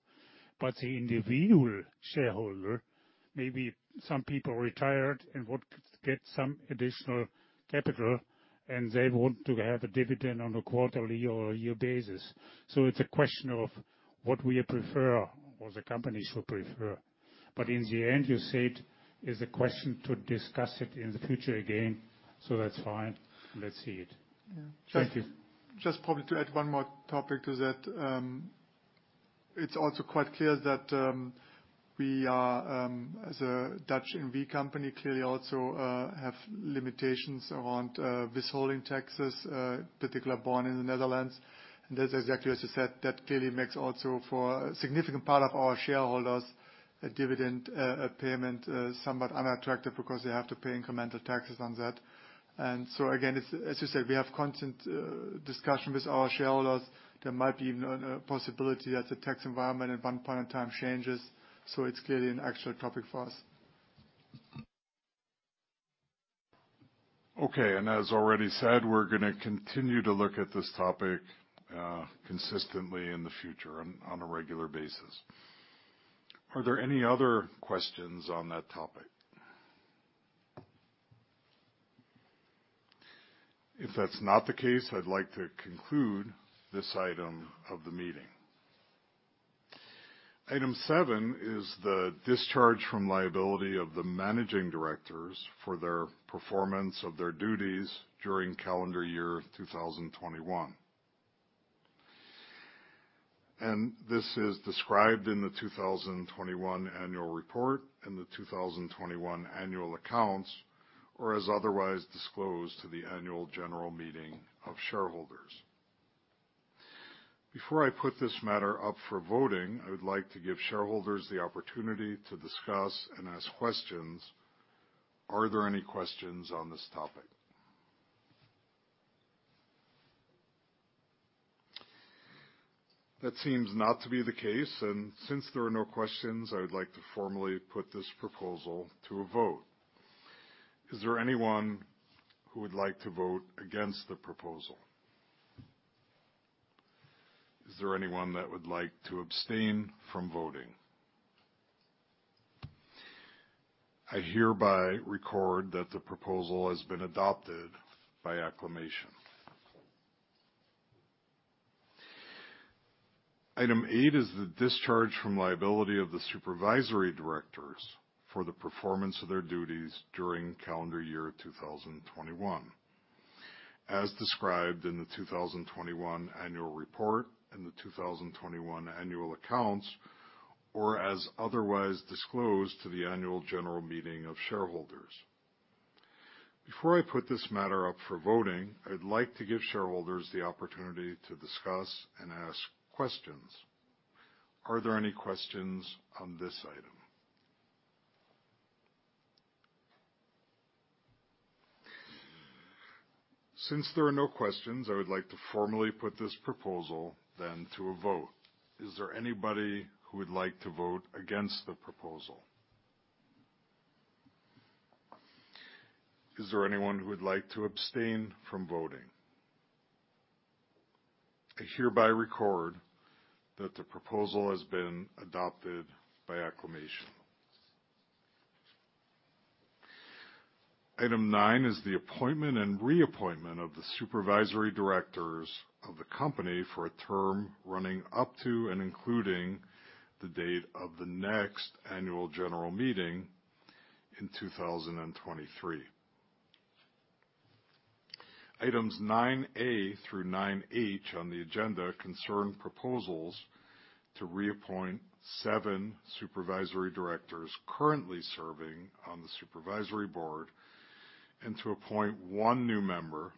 C: But the individual shareholder, maybe some people retired and want to get some additional capital, and they want to have a dividend on a quarterly or a year basis. So it's a question of what we prefer or the company should prefer. But in the end, you said it's a question to discuss it in the future again. So that's fine. Let's see it. Thank you.
H: Just probably to add one more topic to that. It's also quite clear that we are, as a Dutch N.V. company, clearly also have limitations around withholding taxes, particularly borne in the Netherlands. And that's exactly as you said. That clearly makes also for a significant part of our shareholders, a dividend payment somewhat unattractive because they have to pay incremental taxes on that. And so again, as you said, we have constant discussion with our shareholders. There might be a possibility that the tax environment at one point in time changes. So it's clearly an actual topic for us.
A: Okay. And as already said, we're going to continue to look at this topic consistently in the future on a regular basis. Are there any other questions on that topic? If that's not the case, I'd like to conclude this item of the meeting. Item seven is the discharge from liability of the managing directors for their performance of their duties during calendar year 2021. This is described in the 2021 annual report and the 2021 annual accounts, or as otherwise disclosed to the annual general meeting of shareholders. Before I put this matter up for voting, I would like to give shareholders the opportunity to discuss and ask questions. Are there any questions on this topic? That seems not to be the case. Since there are no questions, I would like to formally put this proposal to a vote. Is there anyone who would like to vote against the proposal? Is there anyone that would like to abstain from voting? I hereby record that the proposal has been adopted by acclamation. Item eight is the discharge from liability of the supervisory directors for the performance of their duties during calendar year 2021, as described in the 2021 annual report and the 2021 annual accounts, or as otherwise disclosed to the annual general meeting of shareholders. Before I put this matter up for voting, I'd like to give shareholders the opportunity to discuss and ask questions. Are there any questions on this item? Since there are no questions, I would like to formally put this proposal then to a vote. Is there anybody who would like to vote against the proposal? Is there anyone who would like to abstain from voting? I hereby record that the proposal has been adopted by acclamation. Item nine is the appointment and reappointment of the supervisory directors of the company for a term running up to and including the date of the next annual general meeting in 2023. Items 9A through 9H on the agenda concern proposals to reappoint seven supervisory directors currently serving on the supervisory board and to appoint one new member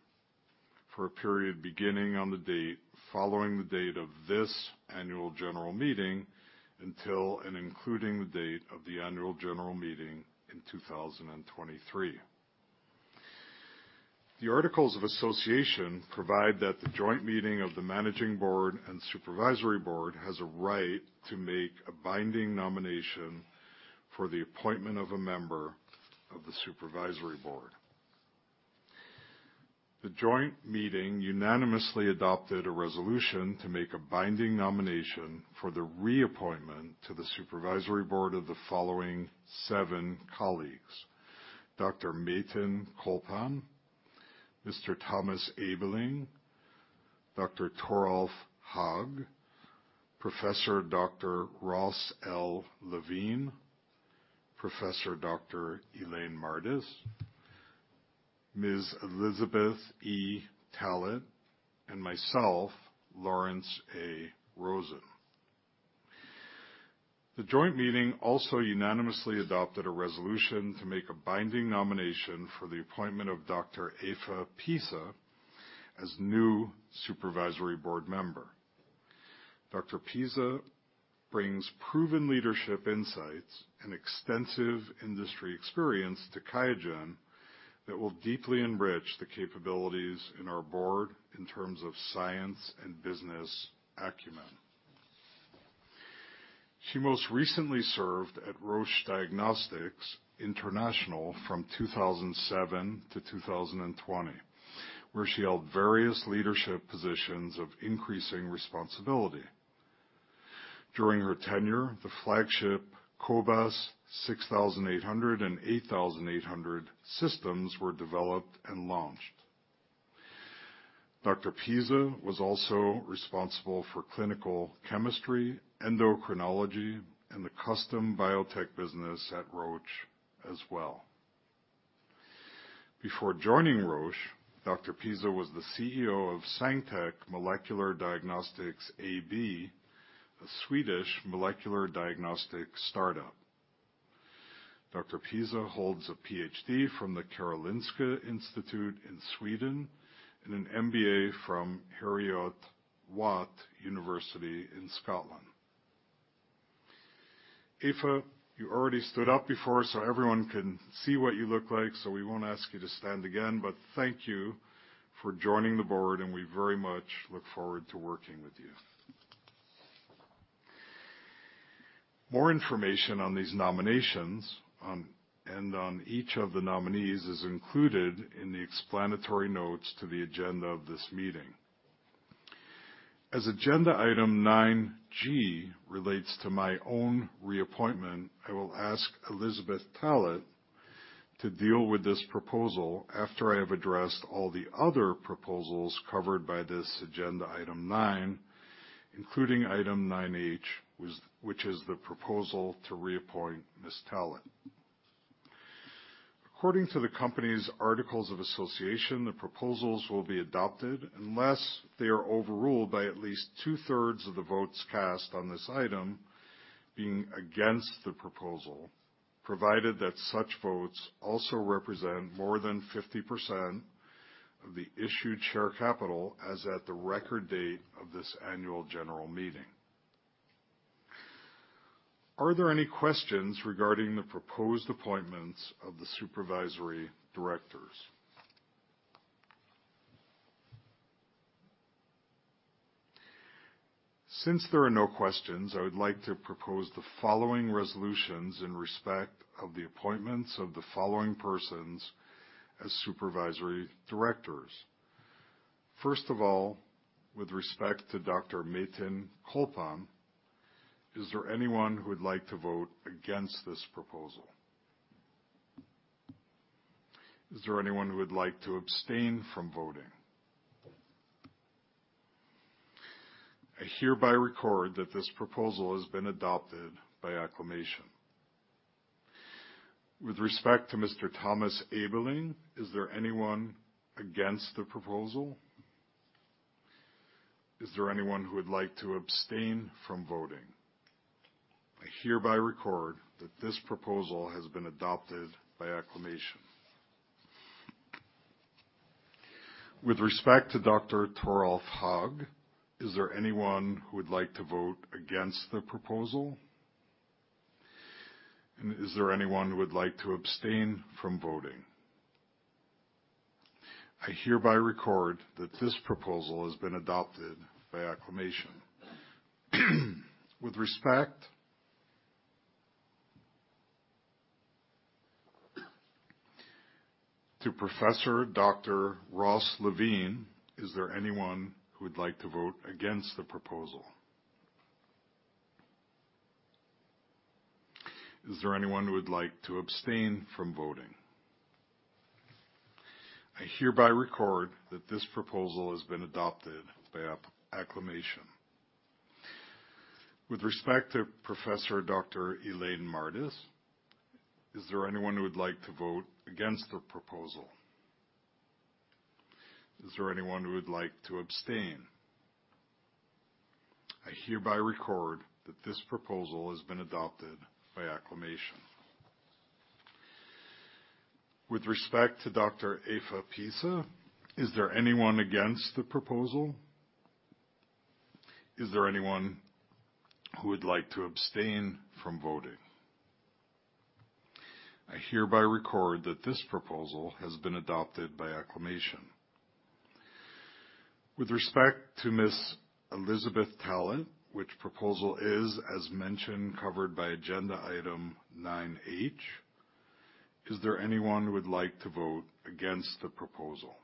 A: for a period beginning on the date following the date of this annual general meeting until and including the date of the annual general meeting in 2023. The articles of association provide that the joint meeting of the managing board and supervisory board has a right to make a binding nomination for the appointment of a member of the supervisory board. The joint meeting unanimously adopted a resolution to make a binding nomination for the reappointment to the supervisory board of the following seven colleagues: Dr. Metin Colpan, Mr. Thomas Ebeling, Dr. Toralf Haag, Prof. Dr. Ross L. Levine, Prof. Dr. Elaine Mardis, Elizabeth E. Tallett, and myself, Lawrence A. Rosen. The joint meeting also unanimously adopted a resolution to make a binding nomination for the appointment of Dr. Eva Pisa as new Supervisory Board member. Dr. Pisa brings proven leadership insights and extensive industry experience to QIAGEN that will deeply enrich the capabilities in our Board in terms of science and business acumen. She most recently served at Roche Diagnostics International from 2007 to 2020, where she held various leadership positions of increasing responsibility. During her tenure, the flagship Cobas 6800 and 8800 systems were developed and launched. Dr. Pisa was also responsible for clinical chemistry, endocrinology, and the custom biotech business at Roche as well. Before joining Roche, Dr. Pisa was the CEO of Sangtec Molecular Diagnostics AB, a Swedish molecular diagnostic startup. Dr. Pisa holds a PhD from the Karolinska Institute in Sweden and an MBA from Heriot-Watt University in Scotland. Eva, you already stood up before so everyone can see what you look like, so we won't ask you to stand again. But thank you for joining the board, and we very much look forward to working with you. More information on these nominations and on each of the nominees is included in the explanatory notes to the agenda of this meeting. As agenda item 9G relates to my own reappointment, I will ask Elizabeth Tallett to deal with this proposal after I have addressed all the other proposals covered by this agenda item 9, including item 9H, which is the proposal to reappoint Ms. Tallett. According to the company's articles of association, the proposals will be adopted unless they are overruled by at least two-thirds of the votes cast on this item being against the proposal, provided that such votes also represent more than 50% of the issued share capital as at the record date of this annual general meeting. Are there any questions regarding the proposed appointments of the supervisory directors? Since there are no questions, I would like to propose the following resolutions in respect of the appointments of the following persons as supervisory directors. First of all, with respect to Dr. Metin Colpan, is there anyone who would like to vote against this proposal? Is there anyone who would like to abstain from voting? I hereby record that this proposal has been adopted by acclamation. With respect to Mr. Thomas Ebeling, is there anyone against the proposal? Is there anyone who would like to abstain from voting? I hereby record that this proposal has been adopted by acclamation. With respect to Dr. Toralf Haag, is there anyone who would like to vote against the proposal? And is there anyone who would like to abstain from voting? I hereby record that this proposal has been adopted by acclamation. With respect to Professor Dr. Ross Levine, is there anyone who would like to vote against the proposal? Is there anyone who would like to abstain from voting? I hereby record that this proposal has been adopted by acclamation. With respect to Professor Dr. Elaine Mardis, is there anyone who would like to vote against the proposal? Is there anyone who would like to abstain? I hereby record that this proposal has been adopted by acclamation. With respect to Dr. Eva Pisa, is there anyone against the proposal? Is there anyone who would like to abstain from voting? I hereby record that this proposal has been adopted by acclamation. With respect to Ms. Elizabeth Tallett, which proposal is, as mentioned, covered by agenda item 9H, is there anyone who would like to vote against the proposal?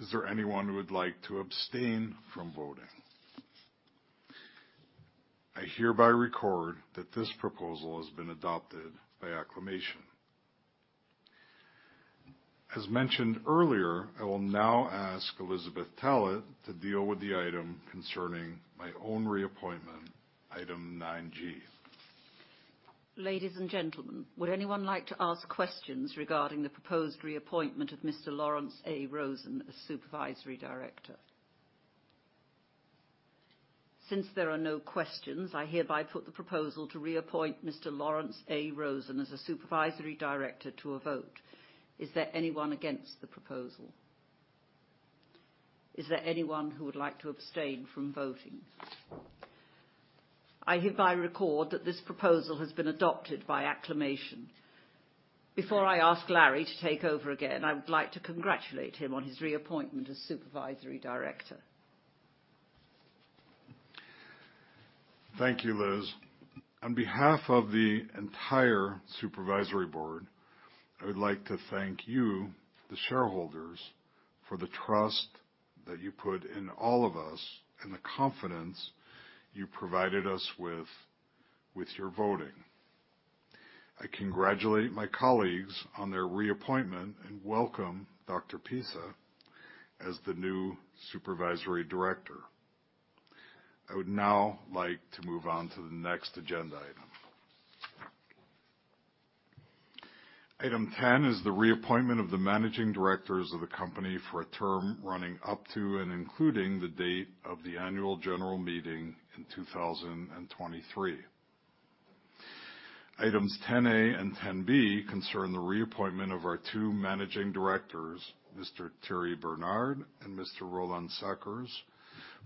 A: Is there anyone who would like to abstain from voting? I hereby record that this proposal has been adopted by acclamation. As mentioned earlier, I will now ask Elizabeth Tallett to deal with the item concerning my own reappointment, item 9G.
I: Ladies and gentlemen, would anyone like to ask questions regarding the proposed reappointment of Mr. Lawrence A. Rosen as supervisory director? Since there are no questions, I hereby put the proposal to reappoint Mr. Lawrence A. Rosen as a supervisory director to a vote. Is there anyone against the proposal? Is there anyone who would like to abstain from voting? I hereby record that this proposal has been adopted by acclamation. Before I ask Larry to take over again, I would like to congratulate him on his reappointment as supervisory director.
A: Thank you, Liz. On behalf of the entire supervisory board, I would like to thank you, the shareholders, for the trust that you put in all of us and the confidence you provided us with with your voting. I congratulate my colleagues on their reappointment and welcome Dr. Pisa as the new supervisory director. I would now like to move on to the next agenda item. Item 10 is the reappointment of the managing directors of the company for a term running up to and including the date of the annual general meeting in 2023. Items 10A and 10B concern the reappointment of our two managing directors, Mr. Thierry Bernard and Mr. Roland Sackers,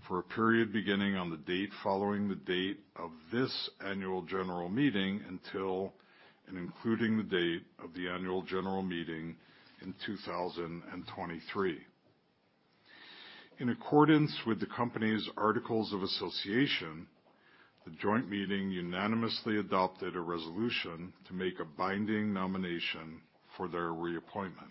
A: for a period beginning on the date following the date of this annual general meeting until and including the date of the annual general meeting in 2023. In accordance with the company's articles of association, the joint meeting unanimously adopted a resolution to make a binding nomination for their reappointment.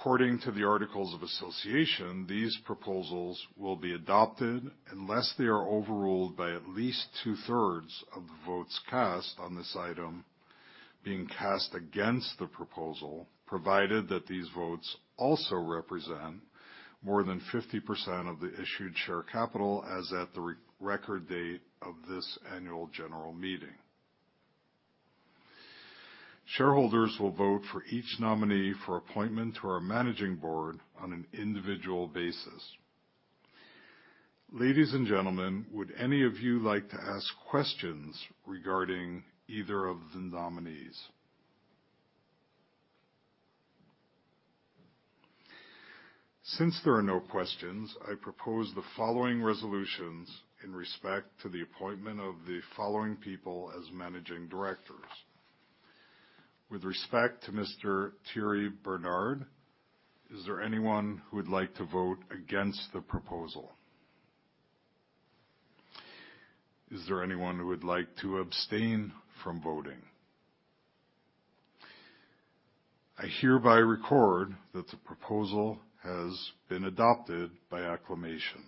A: According to the articles of association, these proposals will be adopted unless they are overruled by at least two-thirds of the votes cast on this item being cast against the proposal, provided that these votes also represent more than 50% of the issued share capital as at the record date of this annual general meeting. Shareholders will vote for each nominee for appointment to our managing board on an individual basis. Ladies and gentlemen, would any of you like to ask questions regarding either of the nominees? Since there are no questions, I propose the following resolutions in respect to the appointment of the following people as managing directors. With respect to Mr. Thierry Bernard, is there anyone who would like to vote against the proposal? Is there anyone who would like to abstain from voting? I hereby record that the proposal has been adopted by acclamation.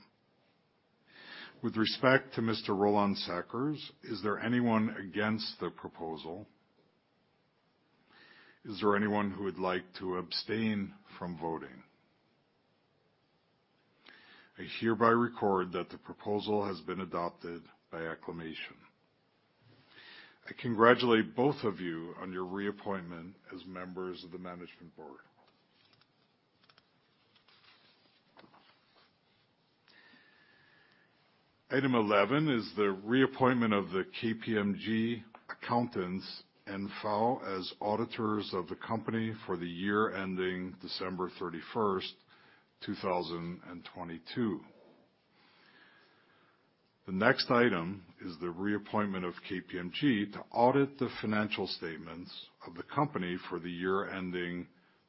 A: With respect to Mr. Roland Sackers, is there anyone against the proposal? Is there anyone who would like to abstain from voting? I hereby record that the proposal has been adopted by acclamation. I congratulate both of you on your reappointment as members of the management board. Item 11 is the reappointment of the KPMG Accountants N.V. as auditors of the company for the year ending December 31st, 2022. The next item is the reappointment of KPMG to audit the financial statements of the company for the year ending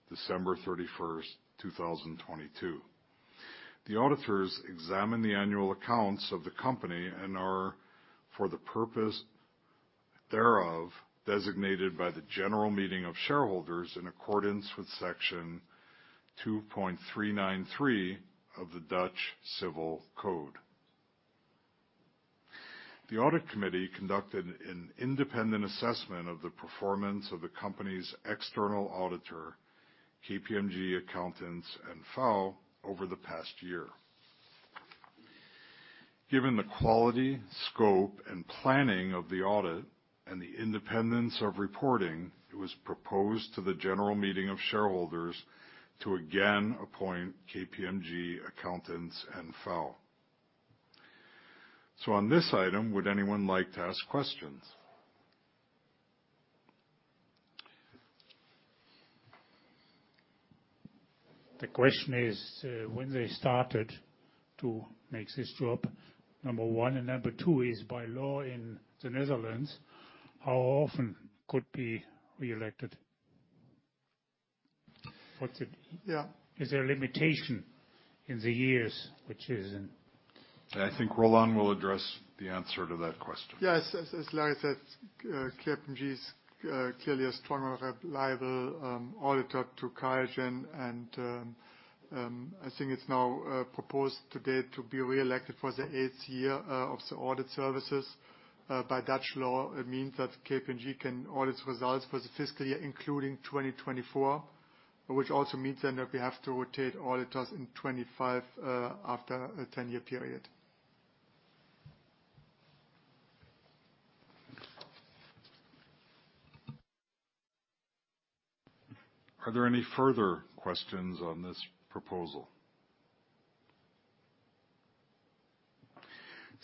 A: December 31st, 2022. The auditors examine the annual accounts of the company and are for the purpose thereof designated by the general meeting of shareholders in accordance with section 2.393 of the Dutch Civil Code. The audit committee conducted an independent assessment of the performance of the company's external auditor, KPMG Accountants N.V. over the past year. Given the quality, scope, and planning of the audit and the independence of reporting, it was proposed to the general meeting of shareholders to again appoint KPMG Accountants N.V. So on this item, would anyone like to ask questions?
J: The question is, when they started to make this job, number one and number two is by law in the Netherlands, how often could be reelected? What's it? Yeah. Is there a limitation in the years which is in?
A: I think Roland will address the answer to that question.
C: Yes, as Larry said, KPMG is clearly a stronger reliable auditor to QIAGEN, and I think it's now proposed today to be reelected for the eighth year of the audit services by Dutch law. It means that KPMG can audit results for the fiscal year, including 2024, which also means then that we have to rotate auditors in 2025 after a 10-year period. Are there any further questions on this proposal?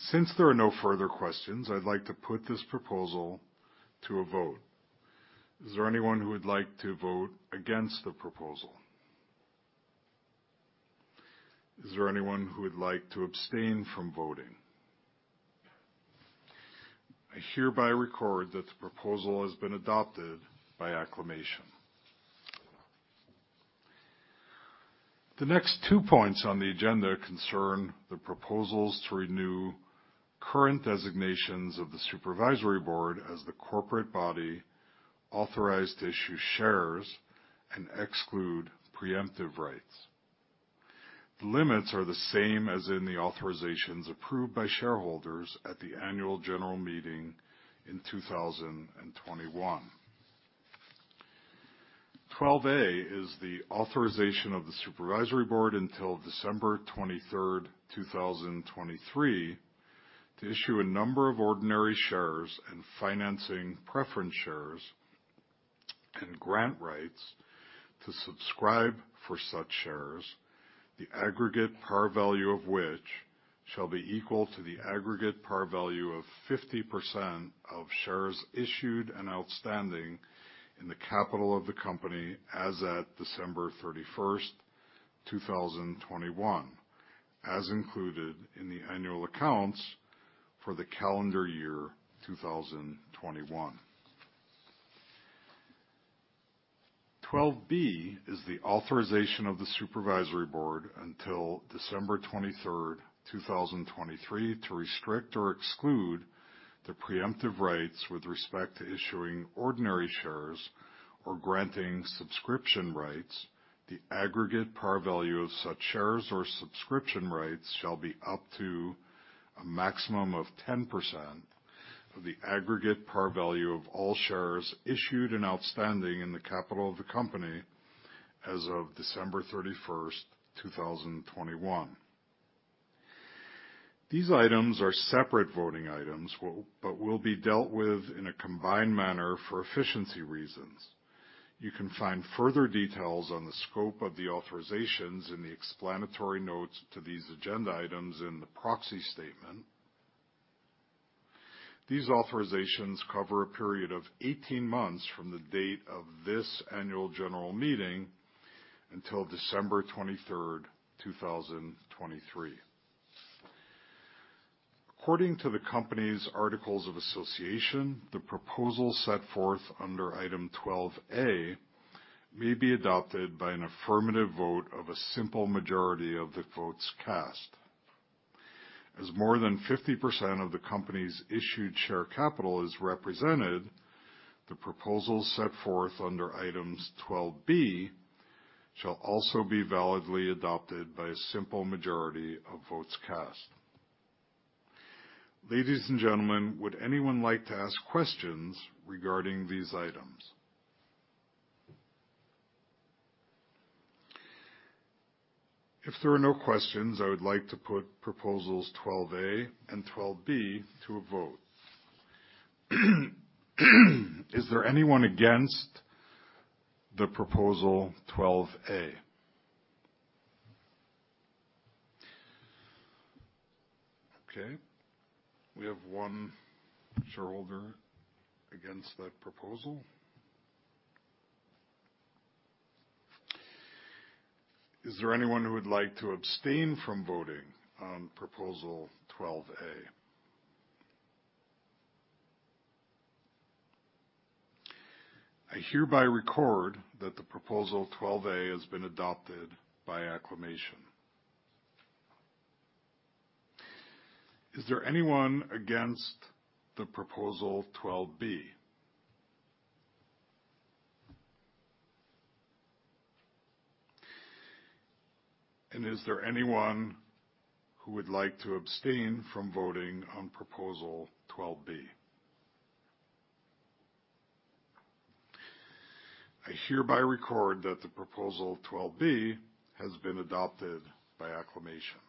C: Since there are no further questions, I'd like to put this proposal to a vote. Is there anyone who would like to vote against the proposal? Is there anyone who would like to abstain from voting? I hereby record that the proposal has been adopted by acclamation. The next two points on the agenda concern the proposals to renew current designations of the Supervisory Board as the corporate body authorized to issue shares and exclude preemptive rights. The limits are the same as in the authorizations approved by shareholders at the annual general meeting in 2021. 12A is the authorization of the Supervisory Board until December 23rd, 2023, to issue a number of ordinary shares and financing preference shares and grant rights to subscribe for such shares, the aggregate par value of which shall be equal to the aggregate par value of 50% of shares issued and outstanding in the capital of the company as at December 31st, 2021, as included in the annual accounts for the calendar year 2021. 12B is the authorization of the supervisory board until December 23rd, 2023, to restrict or exclude the preemptive rights with respect to issuing ordinary shares or granting subscription rights. The aggregate par value of such shares or subscription rights shall be up to a maximum of 10% of the aggregate par value of all shares issued and outstanding in the capital of the company as of December 31st, 2021. These items are separate voting items, but will be dealt with in a combined manner for efficiency reasons. You can find further details on the scope of the authorizations in the explanatory notes to these agenda items in the proxy statement. These authorizations cover a period of 18 months from the date of this annual general meeting until December 23rd, 2023. According to the company's articles of association, the proposal set forth under item 12A may be adopted by an affirmative vote of a simple majority of the votes cast. As more than 50% of the company's issued share capital is represented, the proposal set forth under items 12B shall also be validly adopted by a simple majority of votes cast. Ladies and gentlemen, would anyone like to ask questions regarding these items? If there are no questions, I would like to put proposals 12A and 12B to a vote. Is there anyone against the proposal 12A? Okay. We have one shareholder against that proposal. Is there anyone who would like to abstain from voting on proposal 12A? I hereby record that the proposal 12A has been adopted by acclamation. Is there anyone against the proposal 12B, and is there anyone who would like to abstain from voting on proposal 12B? I hereby record that the proposal 12B has been adopted by acclamation.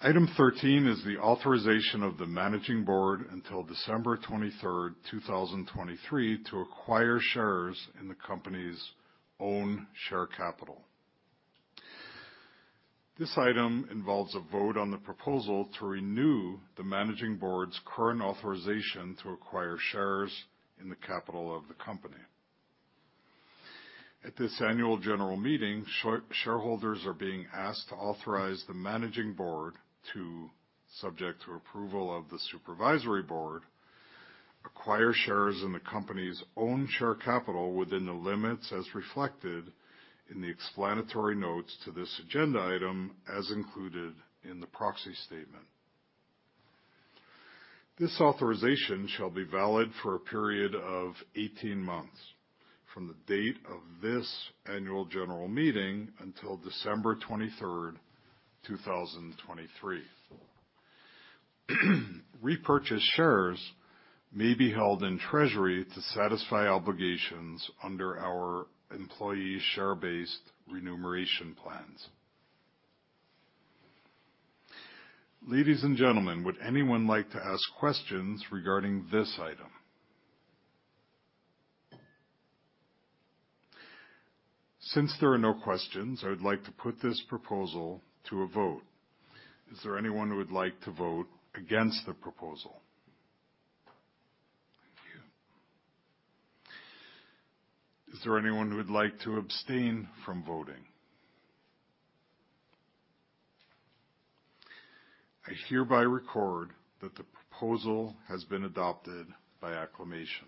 C: Item 13 is the authorization of the managing board until December 23rd, 2023, to acquire shares in the company's own share capital. This item involves a vote on the proposal to renew the managing board's current authorization to acquire shares in the capital of the company. At this annual general meeting, shareholders are being asked to authorize the managing board to, subject to approval of the supervisory board, acquire shares in the company's own share capital within the limits as reflected in the explanatory notes to this agenda item as included in the proxy statement. This authorization shall be valid for a period of 18 months from the date of this annual general meeting until December 23rd, 2023. Repurchased shares may be held in treasury to satisfy obligations under our employee share-based remuneration plans. Ladies and gentlemen, would anyone like to ask questions regarding this item? Since there are no questions, I would like to put this proposal to a vote. Is there anyone who would like to vote against the proposal? Thank you. Is there anyone who would like to abstain from voting? I hereby record that the proposal has been adopted by acclamation.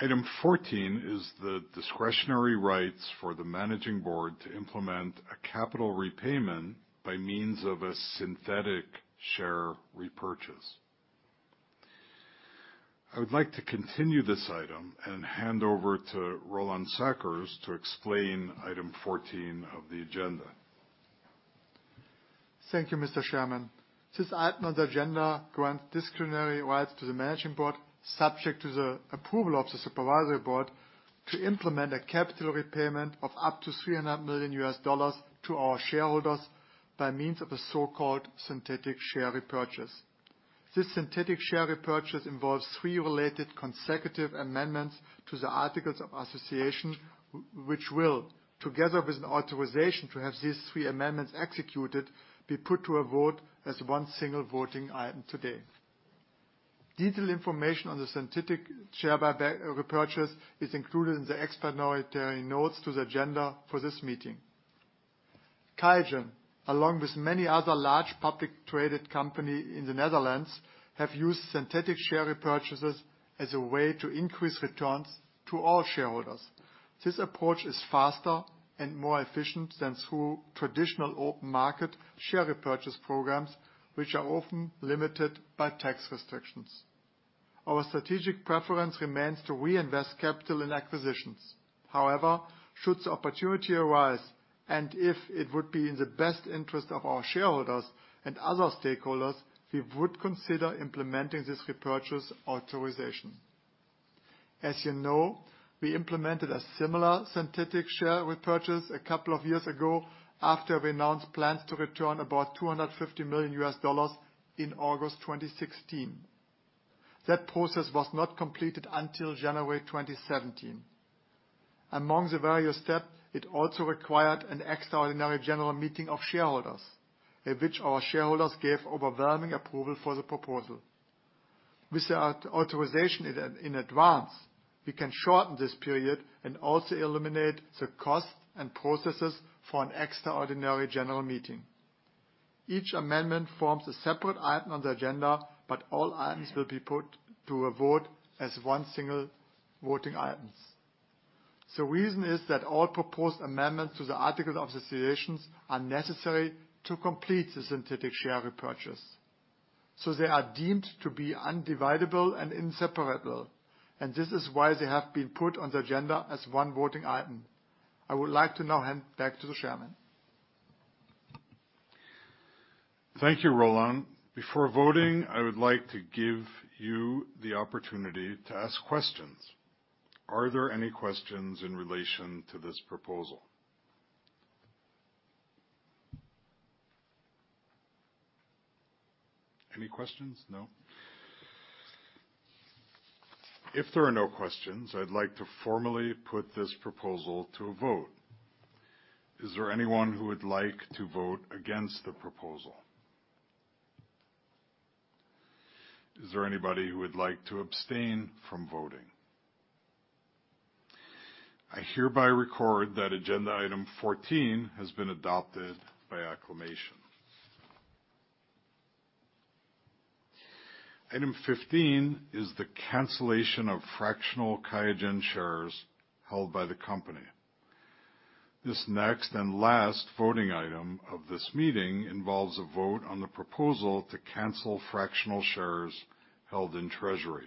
C: Item 14 is the discretionary rights for the Managing Board to implement a capital repayment by means of a synthetic share repurchase. I would like to continue this item and hand over to Roland Sackers to explain item 14 of the agenda. Thank you, Mr. Chairman. This item of the agenda grants discretionary rights to the Managing Board, subject to the approval of the Supervisory Board, to implement a capital repayment of up to $300 million to our shareholders by means of a so-called synthetic share repurchase. This synthetic share repurchase involves three related consecutive amendments to the articles of association, which will, together with an authorization to have these three amendments executed, be put to a vote as one single voting item today. Detailed information on the synthetic share repurchase is included in the explanatory notes to the agenda for this meeting. QIAGEN, along with many other large publicly traded companies in the Netherlands, have used synthetic share repurchases as a way to increase returns to all shareholders. This approach is faster and more efficient than through traditional open market share repurchase programs, which are often limited by tax restrictions. Our strategic preference remains to reinvest capital in acquisitions. However, should the opportunity arise, and if it would be in the best interest of our shareholders and other stakeholders, we would consider implementing this repurchase authorization. As you know, we implemented a similar synthetic share repurchase a couple of years ago after we announced plans to return about $250 million in August 2016. That process was not completed until January 2017. Among the various steps, it also required an extraordinary general meeting of shareholders, at which our shareholders gave overwhelming approval for the proposal. With the authorization in advance, we can shorten this period and also eliminate the cost and processes for an extraordinary general meeting. Each amendment forms a separate item on the agenda, but all items will be put to a vote as one single voting item. The reason is that all proposed amendments to the articles of association are necessary to complete the synthetic share repurchase. So they are deemed to be indivisible and inseparable, and this is why they have been put on the agenda as one voting item. I would like to now hand back to the chairman.
A: Thank you, Roland. Before voting, I would like to give you the opportunity to ask questions. Are there any questions in relation to this proposal? Any questions? No? If there are no questions, I'd like to formally put this proposal to a vote. Is there anyone who would like to vote against the proposal? Is there anybody who would like to abstain from voting? I hereby record that agenda item 14 has been adopted by acclamation. Item 15 is the cancellation of fractional QIAGEN shares held by the company. This next and last voting item of this meeting involves a vote on the proposal to cancel fractional shares held in treasury.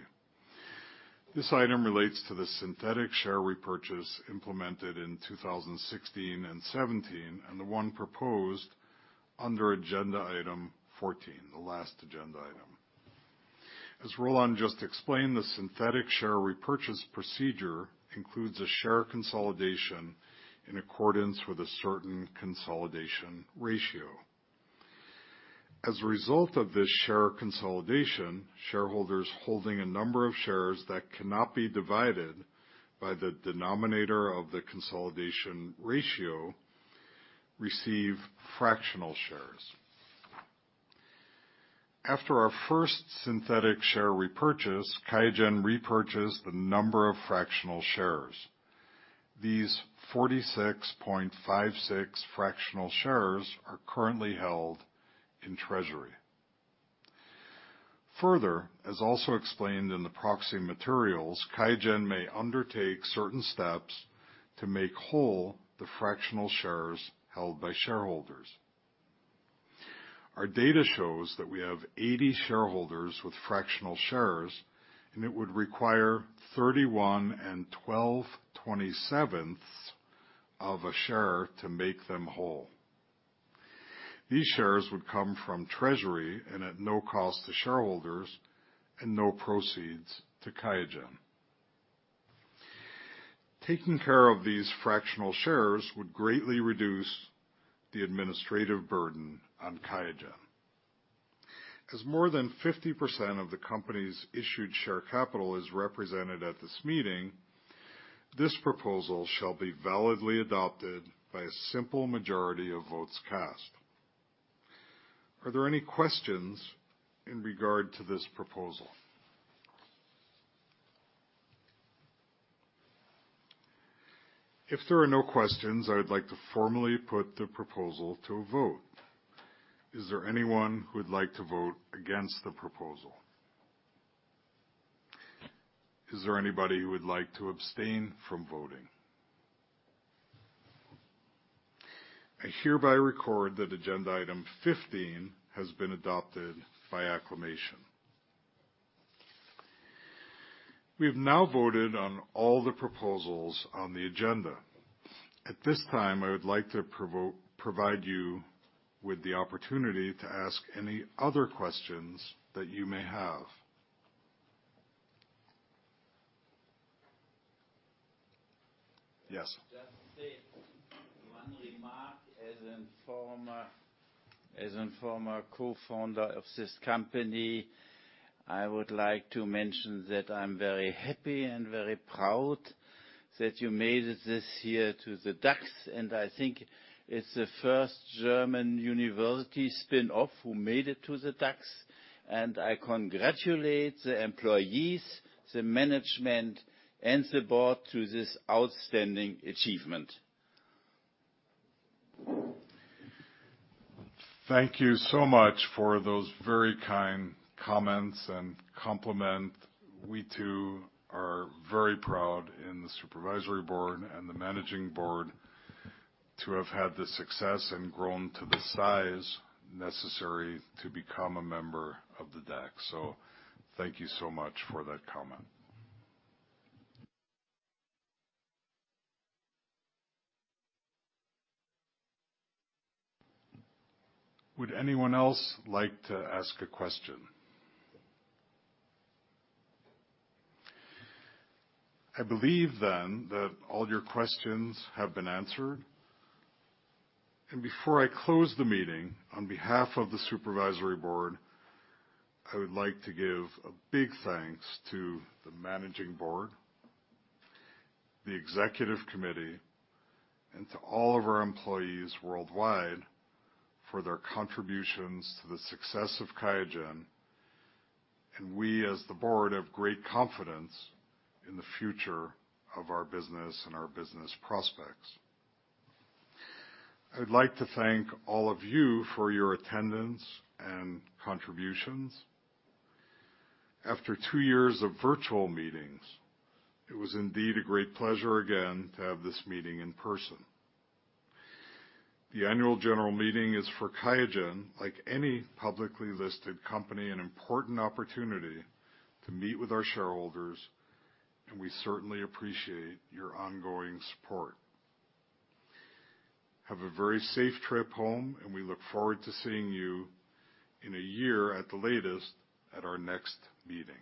A: This item relates to the synthetic share repurchase implemented in 2016 and 2017, and the one proposed under agenda item 14, the last agenda item. As Roland just explained, the synthetic share repurchase procedure includes a share consolidation in accordance with a certain consolidation ratio. As a result of this share consolidation, shareholders holding a number of shares that cannot be divided by the denominator of the consolidation ratio receive fractional shares. After our first synthetic share repurchase, QIAGEN repurchased the number of fractional shares. These 46.56 fractional shares are currently held in treasury. Further, as also explained in the proxy materials, QIAGEN may undertake certain steps to make whole the fractional shares held by shareholders. Our data shows that we have 80 shareholders with fractional shares, and it would require 31 and 12/27ths of a share to make them whole. These shares would come from treasury and at no cost to shareholders and no proceeds to QIAGEN. Taking care of these fractional shares would greatly reduce the administrative burden on QIAGEN. As more than 50% of the company's issued share capital is represented at this meeting, this proposal shall be validly adopted by a simple majority of votes cast. Are there any questions in regard to this proposal? If there are no questions, I would like to formally put the proposal to a vote. Is there anyone who would like to vote against the proposal? Is there anybody who would like to abstain from voting? I hereby record that agenda item 15 has been adopted by acclamation. We have now voted on all the proposals on the agenda. At this time, I would like to provide you with the opportunity to ask any other questions that you may have. Yes.
K: Just to say one remark as a former co-founder of this company, I would like to mention that I'm very happy and very proud that you made it this year to the DAX, and I think it's the first German university spinoff who made it to the DAX, and I congratulate the employees, the management, and the board to this outstanding achievement.
A: Thank you so much for those very kind comments and compliments. We too are very proud in the Supervisory Board and the Managing Board to have had the success and grown to the size necessary to become a member of the DAX. So thank you so much for that comment. Would anyone else like to ask a question? I believe then that all your questions have been answered. Before I close the meeting, on behalf of the supervisory board, I would like to give a big thanks to the managing board, the executive committee, and to all of our employees worldwide for their contributions to the success of QIAGEN. We, as the board, have great confidence in the future of our business and our business prospects. I'd like to thank all of you for your attendance and contributions. After two years of virtual meetings, it was indeed a great pleasure again to have this meeting in person. The annual general meeting is for QIAGEN, like any publicly listed company, an important opportunity to meet with our shareholders, and we certainly appreciate your ongoing support. Have a very safe trip home, and we look forward to seeing you in a year at the latest at our next meeting.